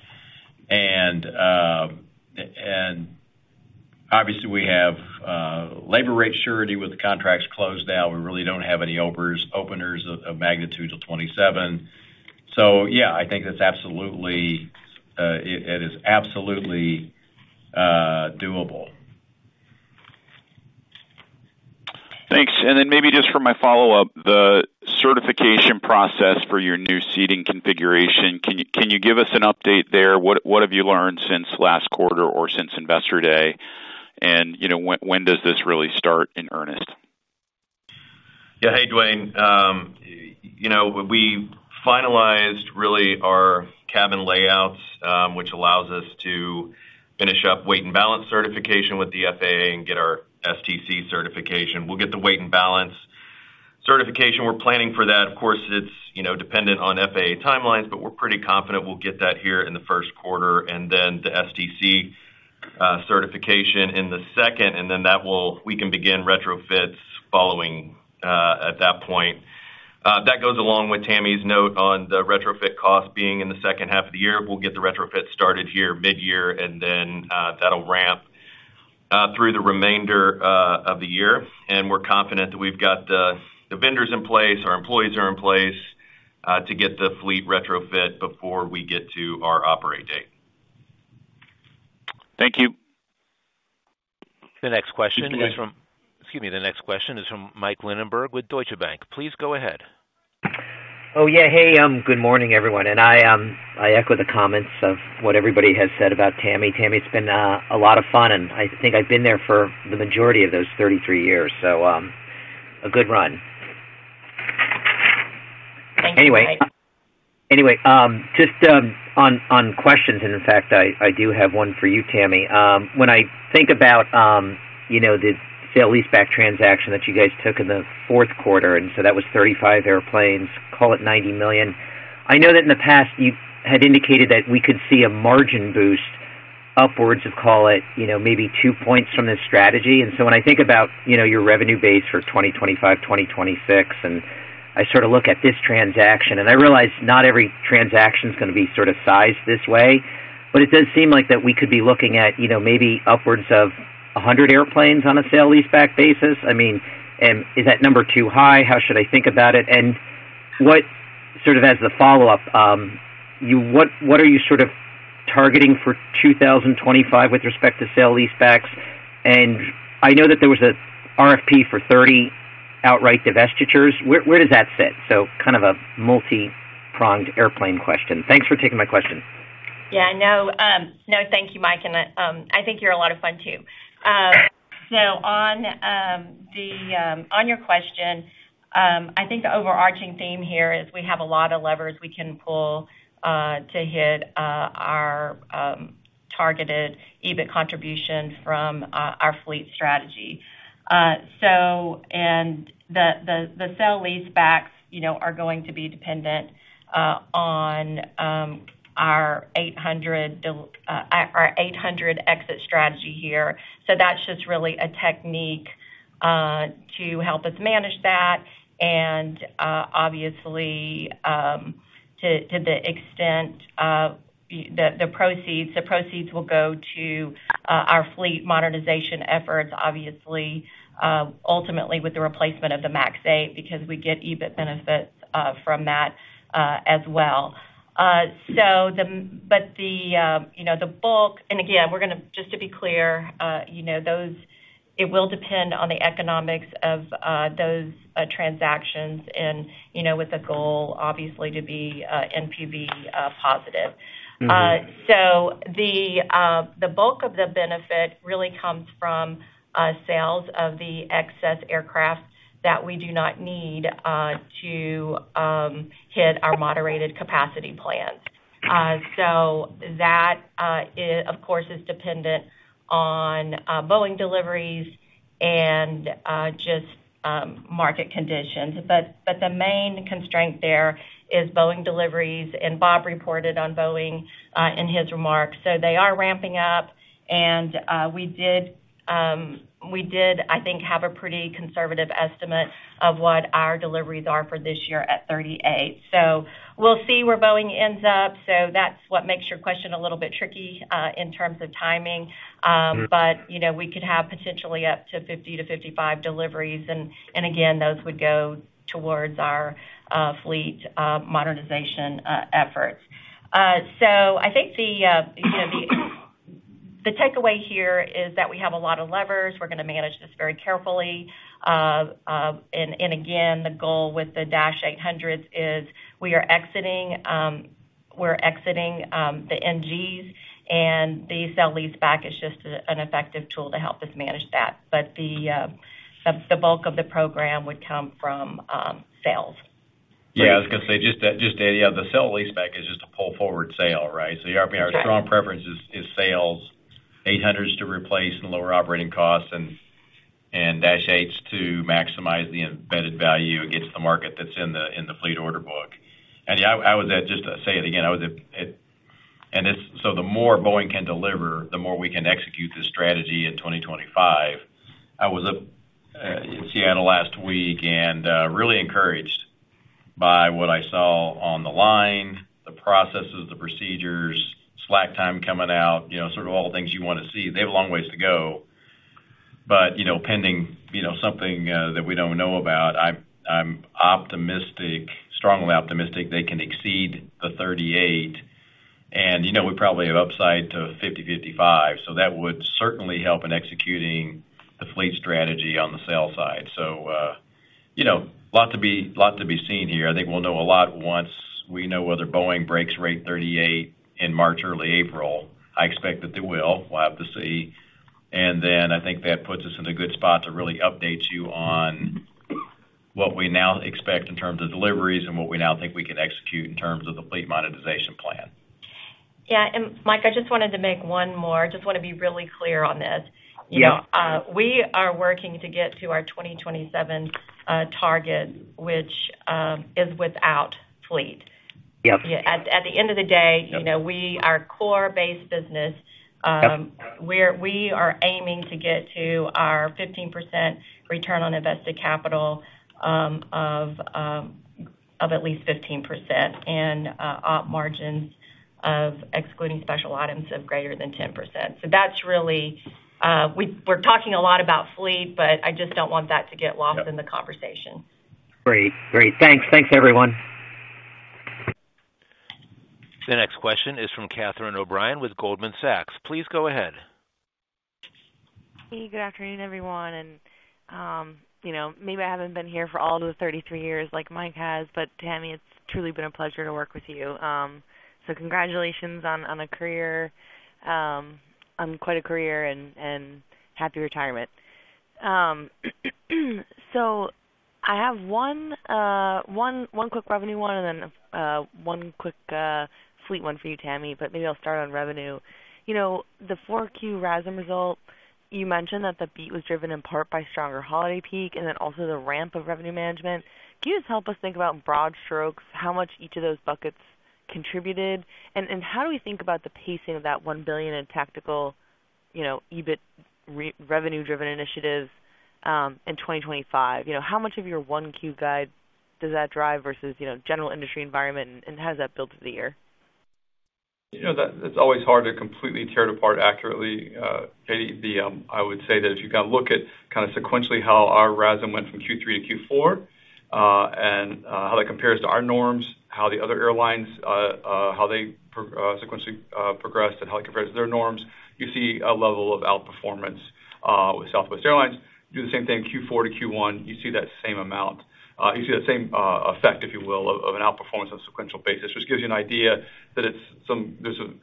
And obviously, we have labor rate surety with the contracts closed now. We really don't have any openers of magnitude to 2027, so yeah, I think it is absolutely doable. Thanks. And then maybe just for my follow-up, the certification process for your new seating configuration, can you give us an update there? What have you learned since last quarter or since Investor Day? And when does this really start in earnest? Yeah. Hey, Duane. We finalized really our cabin layouts, which allows us to finish up weight and balance certification with the FAA and get our STC certification. We'll get the weight and balance certification. We're planning for that. Of course, it's dependent on FAA timelines, but we're pretty confident we'll get that here in the first quarter, and then the STC certification in the second, and then we can begin retrofits following at that point. That goes along with Tammy's note on the retrofit cost being in the second half of the year. We'll get the retrofits started here mid-year, and then that'll ramp through the remainder of the year, and we're confident that we've got the vendors in place, our employees are in place to get the fleet retrofit before we get to our operate date. Thank you. The next question is from. Excuse me. Excuse me. The next question is from Mike Linenberg with Deutsche Bank. Please go ahead. Oh, yeah. Hey, good morning, everyone. And I echo the comments of what everybody has said about Tammy. Tammy, it's been a lot of fun, and I think I've been there for the majority of those 33 years. So a good run. Thank you. Anyway, just on questions, and in fact, I do have one for you, Tammy. When I think about the sale-leaseback transaction that you guys took in the fourth quarter, and so that was 35 airplanes, call it $90 million. I know that in the past, you had indicated that we could see a margin boost upwards of, call it, maybe two points from the strategy. And so when I think about your revenue base for 2025, 2026, and I sort of look at this transaction, and I realize not every transaction is going to be sort of sized this way, but it does seem like that we could be looking at maybe upwards of 100 airplanes on a sale-leaseback basis. I mean, is that number too high? How should I think about it? Sort of as the follow-up, what are you sort of targeting for 2025 with respect to sale-leasebacks? I know that there was an RFP for 30 outright divestitures. Where does that sit? Kind of a multi-pronged airplane question. Thanks for taking my question. Yeah. No, thank you, Mike. And I think you're a lot of fun too. So on your question, I think the overarching theme here is we have a lot of levers we can pull to hit our targeted EBIT contribution from our fleet strategy. And the sale-leasebacks are going to be dependent on our 800 exit strategy here. So that's just really a technique to help us manage that. And obviously, to the extent of the proceeds, the proceeds will go to our fleet modernization efforts, obviously, ultimately with the replacement of the MAX 8 because we get EBIT benefits from that as well. But the bulk and again, we're going to just to be clear, it will depend on the economics of those transactions and with a goal, obviously, to be NPV positive. So the bulk of the benefit really comes from sales of the excess aircraft that we do not need to hit our moderated capacity plans. So that, of course, is dependent on Boeing deliveries and just market conditions. But the main constraint there is Boeing deliveries, and Bob reported on Boeing in his remarks. So they are ramping up, and we did, I think, have a pretty conservative estimate of what our deliveries are for this year at 38. So we'll see where Boeing ends up. So that's what makes your question a little bit tricky in terms of timing. But we could have potentially up to 50-55 deliveries. And again, those would go towards our fleet modernization efforts. So I think the takeaway here is that we have a lot of levers. We're going to manage this very carefully. Again, the goal with the -800s is we are exiting the NGs, and the sale-leaseback is just an effective tool to help us manage that. But the bulk of the program would come from sales. Yeah. I was going to say just the sale-leaseback is just a pull-forward sale, right? So I mean, our strong preference is sales, 800s to replace and lower operating costs, and -8s to maximize the embedded value against the market that's in the fleet order book. And just to say it again, I was at. And so the more Boeing can deliver, the more we can execute this strategy in 2025. I was in Seattle last week and really encouraged by what I saw on the line, the processes, the procedures, slack time coming out, sort of all the things you want to see. They have a long ways to go. But pending something that we don't know about, I'm optimistic, strongly optimistic they can exceed the 38. And we probably have upside to 50, 55. So that would certainly help in executing the fleet strategy on the sale side, so a lot to be seen here. I think we'll know a lot once we know whether Boeing breaks rate 38 in March, early April. I expect that they will. We'll have to see, and then I think that puts us in a good spot to really update you on what we now expect in terms of deliveries and what we now think we can execute in terms of the fleet modernization plan. Yeah. And Mike, I just wanted to make one more. I just want to be really clear on this. We are working to get to our 2027 target, which is without fleet. At the end of the day, our core base business, we are aiming to get to our 15% return on invested capital of at least 15% and op margins, excluding special items, of greater than 10%. So that's really; we're talking a lot about fleet, but I just don't want that to get lost in the conversation. Great. Great. Thanks. Thanks, everyone. The next question is from Catherine O'Brien with Goldman Sachs. Please go ahead. Hey, good afternoon, everyone. And maybe I haven't been here for all the 33 years like Mike has, but Tammy, it's truly been a pleasure to work with you. So congratulations on quite a career and happy retirement. So I have one quick revenue one and then one quick fleet one for you, Tammy, but maybe I'll start on revenue. The 4Q RASM result, you mentioned that the beat was driven in part by stronger holiday peak and then also the ramp of revenue management. Can you just help us think about broad strokes, how much each of those buckets contributed? And how do we think about the pacing of that $1 billion in tactical EBIT revenue-driven initiatives in 2025? How much of your 1Q guide does that drive versus general industry environment, and how does that build through the year? It's always hard to completely tear it apart accurately. I would say that if you kind of look at kind of sequentially how our RASM went from Q3 to Q4 and how that compares to our norms, how the other airlines, how they sequentially progressed and how it compares to their norms, you see a level of outperformance with Southwest Airlines. Do the same thing Q4 to Q1, you see that same amount. You see the same effect, if you will, of an outperformance on a sequential basis, which gives you an idea that there's some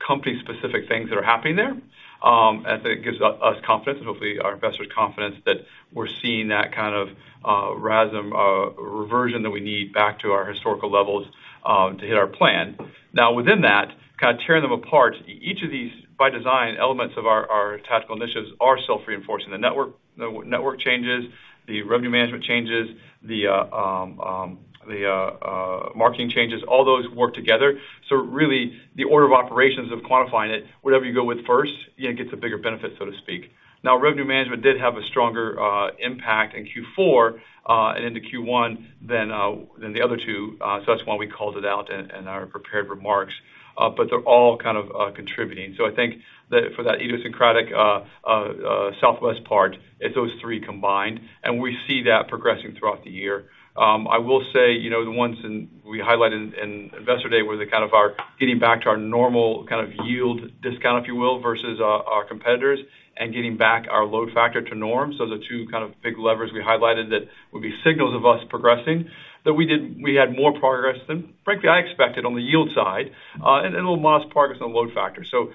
company-specific things that are happening there. I think it gives us confidence and hopefully our investors' confidence that we're seeing that kind of RASM reversion that we need back to our historical levels to hit our plan. Now, within that, kind of tearing them apart, each of these, by design, elements of our tactical initiatives are self-reinforcing. The network changes, the revenue management changes, the marketing changes, all those work together. So really, the order of operations of quantifying it, whatever you go with first, it gets a bigger benefit, so to speak. Now, revenue management did have a stronger impact in Q4 and into Q1 than the other two. So that's why we called it out in our prepared remarks. But they're all kind of contributing. So I think that for that idiosyncratic Southwest part, it's those three combined, and we see that progressing throughout the year. I will say the ones we highlighted in Investor Day were kind of our getting back to our normal kind of yield discount, if you will, versus our competitors and getting back our load factor to norms. Those are two kind of big levers we highlighted that would be signals of us progressing, that we had more progress than, frankly, I expected on the yield side and a little modest progress on the load factor. So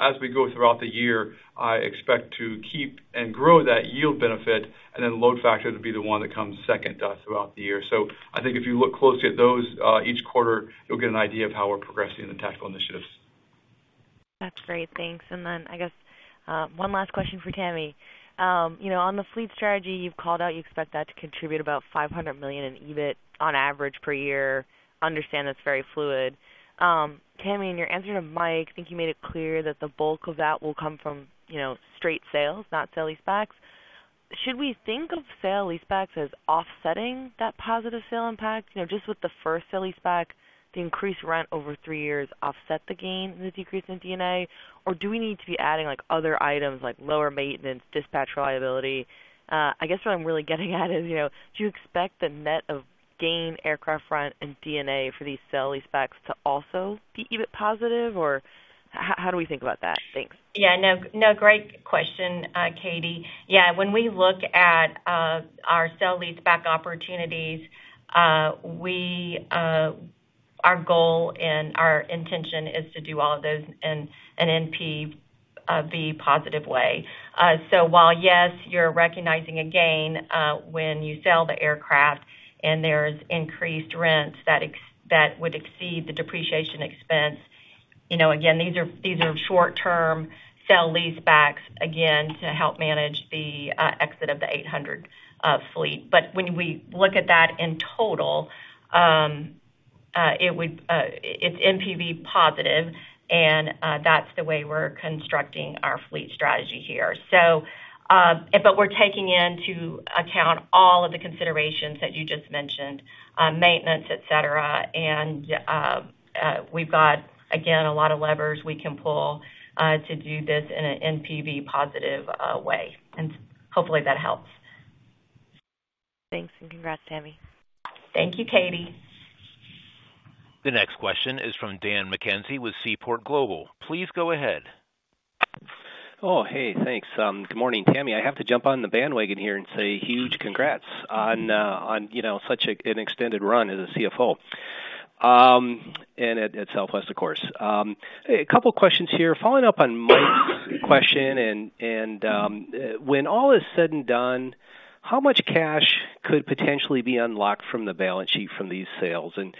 as we go throughout the year, I expect to keep and grow that yield benefit and then load factor to be the one that comes second throughout the year. So I think if you look closely at those each quarter, you'll get an idea of how we're progressing in the tactical initiatives. That's great. Thanks. And then I guess one last question for Tammy. On the fleet strategy, you've called out you expect that to contribute about $500 million in EBIT on average per year. Understand that's very fluid. Tammy, in your answer to Mike, I think you made it clear that the bulk of that will come from straight sales, not sale-leasebacks. Should we think of sale-leasebacks as offsetting that positive sale impact? Just with the first sale-leaseback, the increased rent over three years offset the gain and the decrease in D&A? Or do we need to be adding other items like lower maintenance, dispatch reliability? I guess what I'm really getting at is, do you expect the net of gain, aircraft rent, and D&A for these sale-leasebacks to also be EBIT positive? Or how do we think about that? Thanks. Yeah. No, great question, Katie. Yeah. When we look at our sale-leaseback opportunities, our goal and our intention is to do all of those in an NPV positive way. So while, yes, you're recognizing a gain when you sell the aircraft and there's increased rents that would exceed the depreciation expense, again, these are short-term sale-leasebacks, again, to help manage the exit of the 800 fleet, but when we look at that in total, it's NPV positive, and that's the way we're constructing our fleet strategy here. But we're taking into account all of the considerations that you just mentioned, maintenance, etc. And we've got, again, a lot of levers we can pull to do this in an NPV positive way, and hopefully, that helps. Thanks, and congrats, Tammy. Thank you, Katie. The next question is from Dan McKenzie with Seaport Global. Please go ahead. Oh, hey. Thanks. Good morning, Tammy. I have to jump on the bandwagon here and say huge congrats on such an extended run as a CFO and at Southwest, of course. A couple of questions here. Following up on Mike's question, and when all is said and done, how much cash could potentially be unlocked from the balance sheet from these sales? And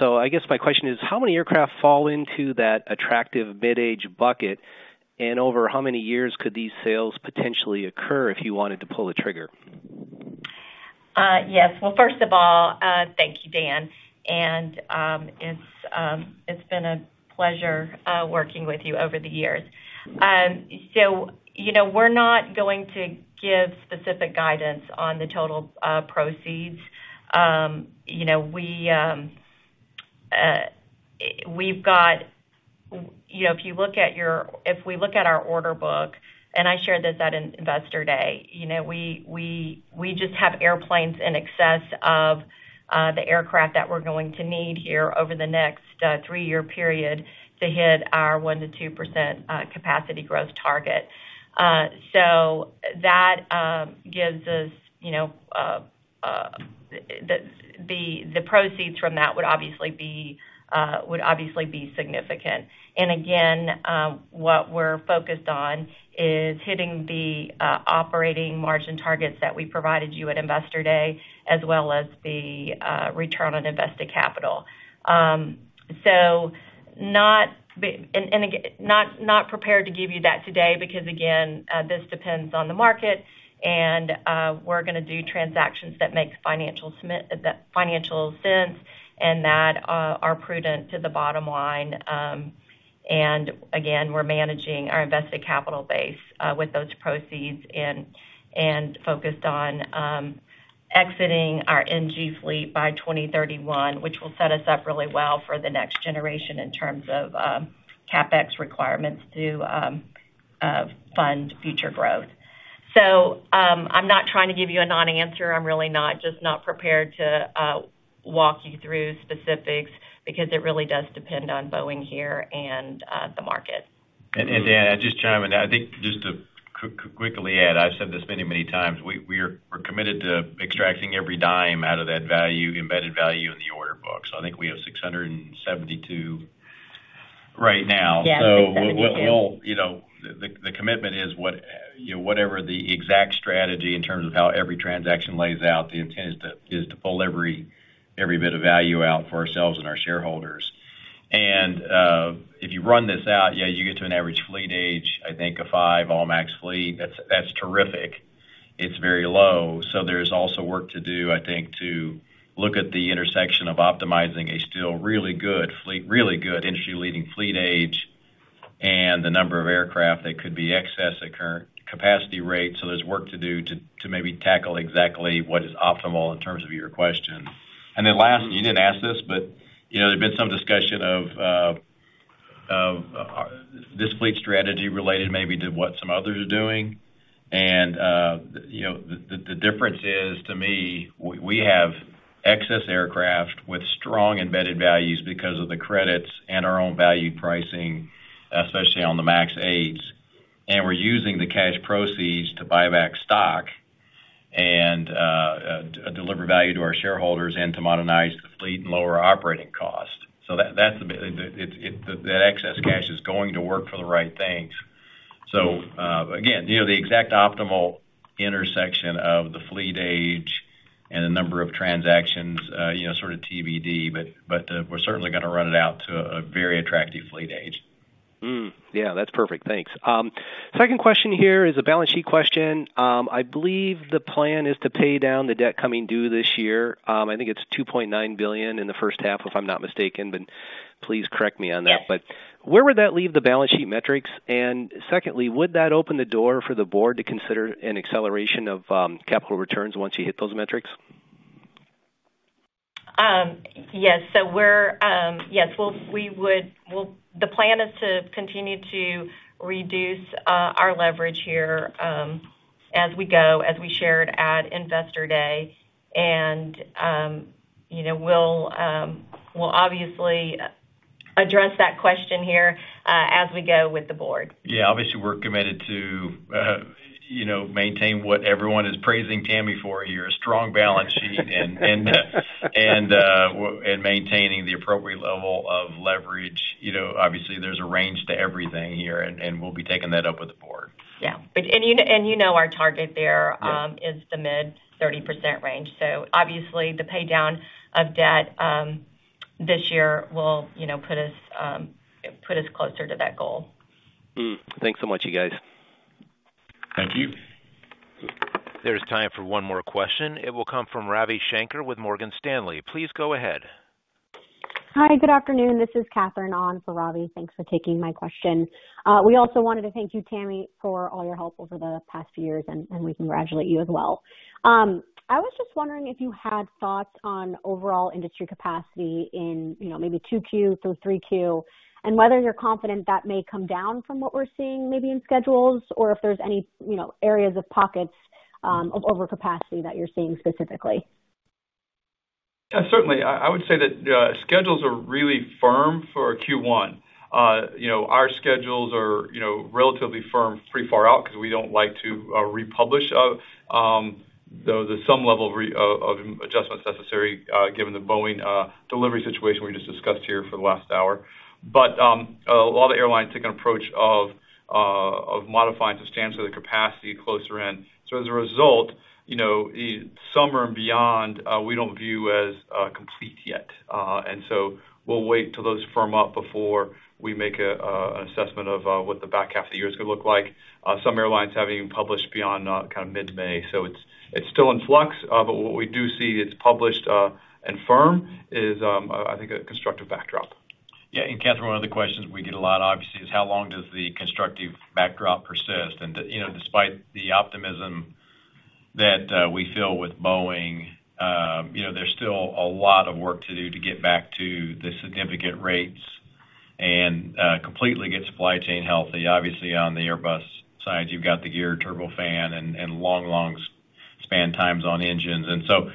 so I guess my question is, how many aircraft fall into that attractive mid-age bucket, and over how many years could these sales potentially occur if you wanted to pull the trigger? Yes. First of all, thank you, Dan. It's been a pleasure working with you over the years. We're not going to give specific guidance on the total proceeds. We've got, if we look at our order book, and I shared this at Investor Day, we just have airplanes in excess of the aircraft that we're going to need here over the next three-year period to hit our 1%-2% capacity growth target. That gives us the proceeds from that would obviously be significant. Again, what we're focused on is hitting the operating margin targets that we provided you at Investor Day as well as the return on invested capital. So not prepared to give you that today because, again, this depends on the market, and we're going to do transactions that make financial sense and that are prudent to the bottom line. And again, we're managing our invested capital base with those proceeds and focused on exiting our NG fleet by 2031, which will set us up really well for the next generation in terms of CapEx requirements to fund future growth. So I'm not trying to give you a non-answer. I'm really not. Just not prepared to walk you through specifics because it really does depend on Boeing here and the market. Dan, I just chime in. I think just to quickly add, I've said this many, many times. We're committed to extracting every dime out of that embedded value in the order book. I think we have 672 right now. The commitment is whatever the exact strategy in terms of how every transaction lays out, the intent is to pull every bit of value out for ourselves and our shareholders. If you run this out, yeah, you get to an average fleet age, I think, of five all MAX fleet. That's terrific. It's very low. There's also work to do, I think, to look at the intersection of optimizing a still really good fleet, really good industry-leading fleet age and the number of aircraft that could be excess at current capacity rate. So there's work to do to maybe tackle exactly what is optimal in terms of your question. And then last, you didn't ask this, but there's been some discussion of this fleet strategy related maybe to what some others are doing. And the difference is, to me, we have excess aircraft with strong embedded values because of the credits and our own value pricing, especially on the MAX 8s. And we're using the cash proceeds to buy back stock and deliver value to our shareholders and to modernize the fleet and lower operating cost. So that excess cash is going to work for the right things. So again, the exact optimal intersection of the fleet age and the number of transactions, sort of TBD, but we're certainly going to run it out to a very attractive fleet age. Yeah. That's perfect. Thanks. Second question here is a balance sheet question. I believe the plan is to pay down the debt coming due this year. I think it's $2.9 billion in the first half, if I'm not mistaken, but please correct me on that. But where would that leave the balance sheet metrics? And secondly, would that open the door for the board to consider an acceleration of capital returns once you hit those metrics? Yes. So yes, the plan is to continue to reduce our leverage here as we go, as we shared at Investor Day, and we'll obviously address that question here as we go with the board. Yeah. Obviously, we're committed to maintain what everyone is praising Tammy for here, a strong balance sheet and maintaining the appropriate level of leverage. Obviously, there's a range to everything here, and we'll be taking that up with the board. Yeah. And you know our target there is the mid-30% range. So obviously, the pay down of debt this year will put us closer to that goal. Thanks so much, you guys. Thank you. There's time for one more question. It will come from Ravi Shanker with Morgan Stanley. Please go ahead. Hi. Good afternoon. This is Catherine Ahn for Ravi. Thanks for taking my question. We also wanted to thank you, Tammy, for all your help over the past few years, and we congratulate you as well. I was just wondering if you had thoughts on overall industry capacity in maybe Q2 through Q3 and whether you're confident that may come down from what we're seeing maybe in schedules or if there's any areas of pockets of overcapacity that you're seeing specifically. Certainly. I would say that schedules are really firm for Q1. Our schedules are relatively firm pretty far out because we don't like to republish at some level of adjustments necessary given the Boeing delivery situation we just discussed here for the last hour. But a lot of airlines take an approach of modifying substantially the capacity closer in. So as a result, summer and beyond, we don't view as complete yet. And so we'll wait till those firm up before we make an assessment of what the back half of the year is going to look like. Some airlines haven't even published beyond kind of mid-May. So it's still in flux. But what we do see that's published and firm is, I think, a constructive backdrop. Yeah. And Catherine, one of the questions we get a lot, obviously, is how long does the constructive backdrop persist? And despite the optimism that we feel with Boeing, there's still a lot of work to do to get back to the significant rates and completely get supply chain healthy. Obviously, on the Airbus side, you've got the Geared Turbofan and long, long span times on engines. And so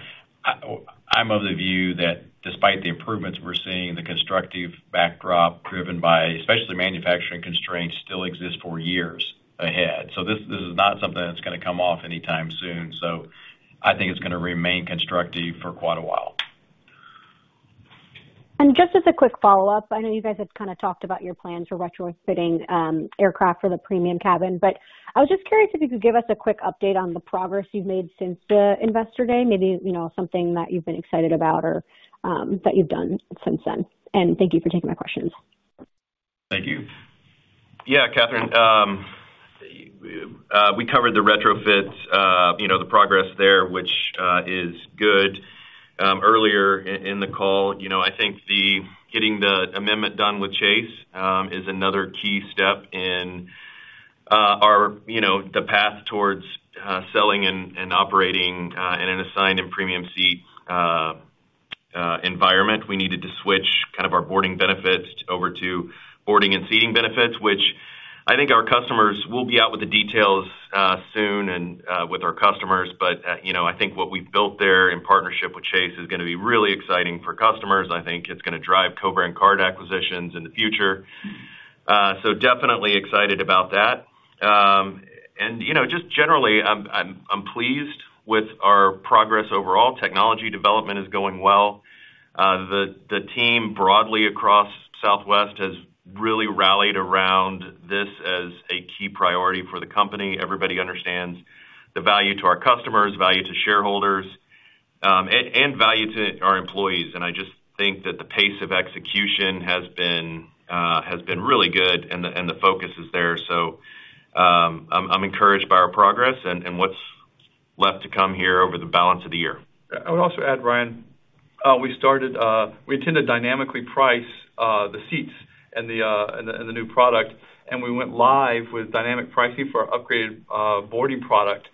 I'm of the view that despite the improvements we're seeing, the constructive backdrop driven by especially manufacturing constraints still exists for years ahead. So this is not something that's going to come off anytime soon. So I think it's going to remain constructive for quite a while. And just as a quick follow-up, I know you guys have kind of talked about your plans for retrofitting aircraft for the premium cabin. But I was just curious if you could give us a quick update on the progress you've made since the Investor Day, maybe something that you've been excited about or that you've done since then. And thank you for taking my questions. Thank you. Yeah, Catherine. We covered the retrofits, the progress there, which is good. Earlier in the call, I think getting the amendment done with Chase is another key step in the path towards seating and operating in an assigned and premium seat environment. We needed to switch kind of our boarding benefits over to boarding and seating benefits, which I think we'll be out with the details soon and with our customers. But I think what we've built there in partnership with Chase is going to be really exciting for customers. I think it's going to drive co-brand card acquisitions in the future. So definitely excited about that. And just generally, I'm pleased with our progress overall. Technology development is going well. The team broadly across Southwest has really rallied around this as a key priority for the company. Everybody understands the value to our customers, value to shareholders, and value to our employees. And I just think that the pace of execution has been really good, and the focus is there. So I'm encouraged by our progress and what's left to come here over the balance of the year. I would also add, Ryan, we attempted to dynamically price the seats and the new product, and we went live with dynamic pricing for our Upgraded Boarding product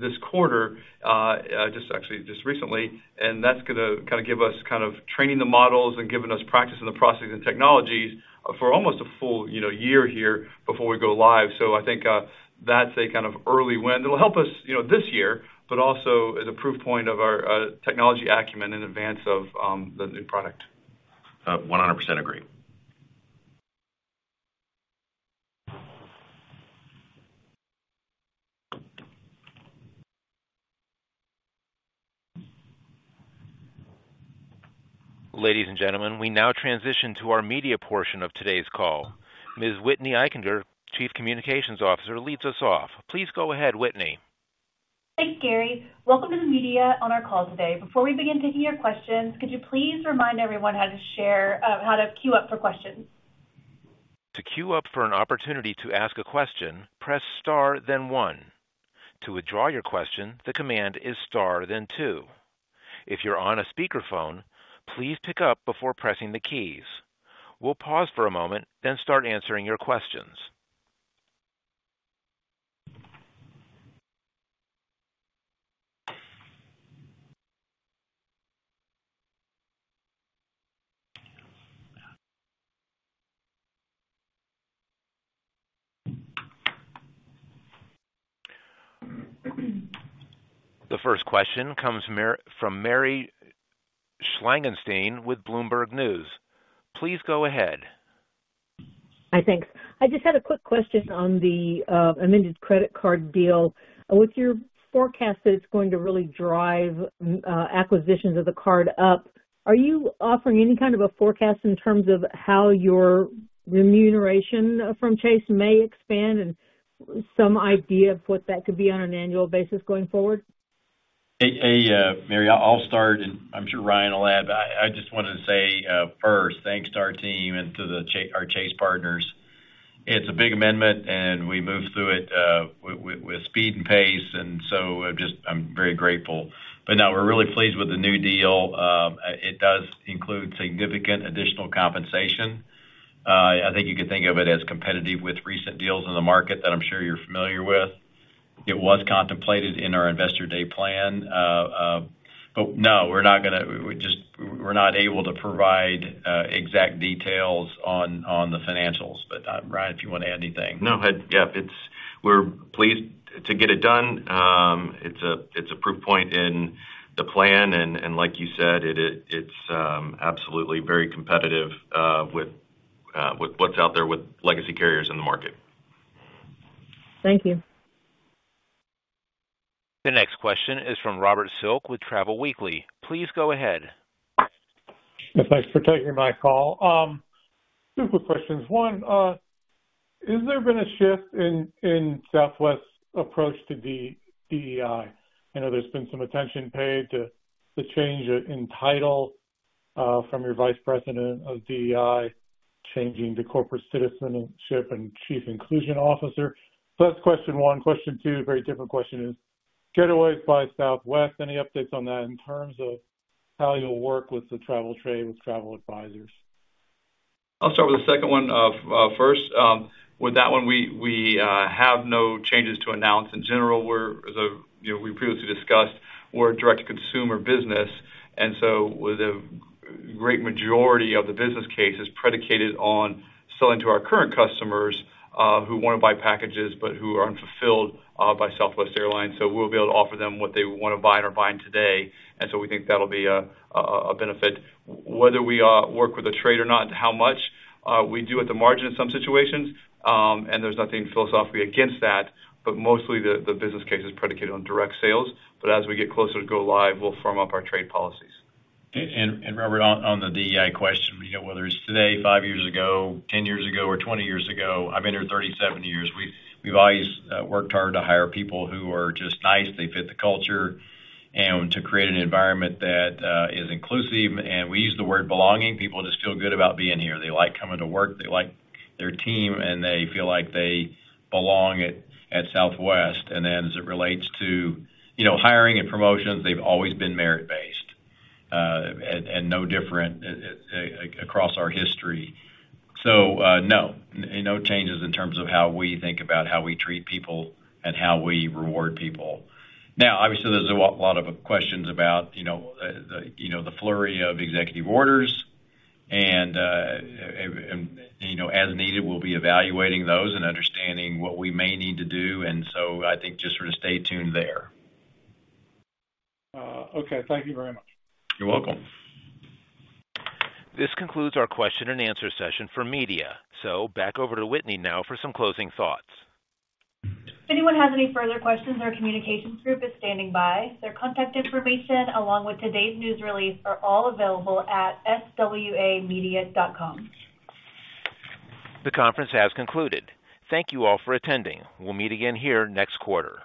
this quarter, actually just recently. And that's going to kind of give us kind of training the models and giving us practice in the processes and technologies for almost a full year here before we go live. So I think that's a kind of early win. It'll help us this year, but also as a proof point of our technology acumen in advance of the new product. 100% agree. Ladies and gentlemen, we now transition to our media portion of today's call. Ms. Whitney Eichinger, Chief Communications Officer, leads us off. Please go ahead, Whitney. Thanks, Gary. Welcome to the media on our call today. Before we begin taking your questions, could you please remind everyone how to queue up for questions? To queue up for an opportunity to ask a question, press Star, then 1. To withdraw your question, the command is Star, then 2. If you're on a speakerphone, please pick up before pressing the keys. We'll pause for a moment, then start answering your questions. The first question comes from Mary Schlangenstein with Bloomberg News. Please go ahead. Hi, thanks. I just had a quick question on the amended credit card deal. With your forecast that it's going to really drive acquisitions of the card up, are you offering any kind of a forecast in terms of how your remuneration from Chase may expand and some idea of what that could be on an annual basis going forward? Hey, Mary, I'll start, and I'm sure Ryan will add. But I just wanted to say first, thanks to our team and to our Chase partners. It's a big amendment, and we moved through it with speed and pace. And so I'm very grateful. But no, we're really pleased with the new deal. It does include significant additional compensation. I think you could think of it as competitive with recent deals in the market that I'm sure you're familiar with. It was contemplated in our Investor Day plan. But no, we're not able to provide exact details on the financials. But Ryan, if you want to add anything? No, yeah, we're pleased to get it done. It's a proof point in the plan. And like you said, it's absolutely very competitive with what's out there with legacy carriers in the market. Thank you. The next question is from Robert Silk with Travel Weekly. Please go ahead. Thanks for taking my call. Two quick questions. One, is there been a shift in Southwest's approach to DEI? I know there's been some attention paid to the change in title from your vice president of DEI changing to corporate citizenship and chief inclusion officer. So that's question one. Question two, very different question is Getaways by Southwest. Any updates on that in terms of how you'll work with the travel trade with travel advisors? I'll start with the second one first. With that one, we have no changes to announce. In general, we previously discussed we're a direct-to-consumer business, and so the great majority of the business case is predicated on selling to our current customers who want to buy packages but who are unfulfilled by Southwest Airlines, so we'll be able to offer them what they want to buy and are buying today, and so we think that'll be a benefit. Whether we work with the trade or not, how much we do at the margin in some situations, and there's nothing philosophically against that, but mostly, the business case is predicated on direct sales, but as we get closer to go live, we'll firm up our trade policies. And Robert, on the DEI question, whether it's today, five years ago, 10 years ago, or 20 years ago, I've entered 37 years. We've always worked hard to hire people who are just nice. They fit the culture and to create an environment that is inclusive. And we use the word belonging. People just feel good about being here. They like coming to work. They like their team, and they feel like they belong at Southwest. And then as it relates to hiring and promotions, they've always been merit-based and no different across our history. So no, no changes in terms of how we think about how we treat people and how we reward people. Now, obviously, there's a lot of questions about the flurry of executive orders. And as needed, we'll be evaluating those and understanding what we may need to do. And so I think just sort of stay tuned there. Okay. Thank you very much. You're welcome. This concludes our question and answer session for media. So back over to Whitney now for some closing thoughts. If anyone has any further questions, our communications group is standing by. Their contact information along with today's news release are all available at swamedia.com. The conference has concluded. Thank you all for attending. We'll meet again here next quarter.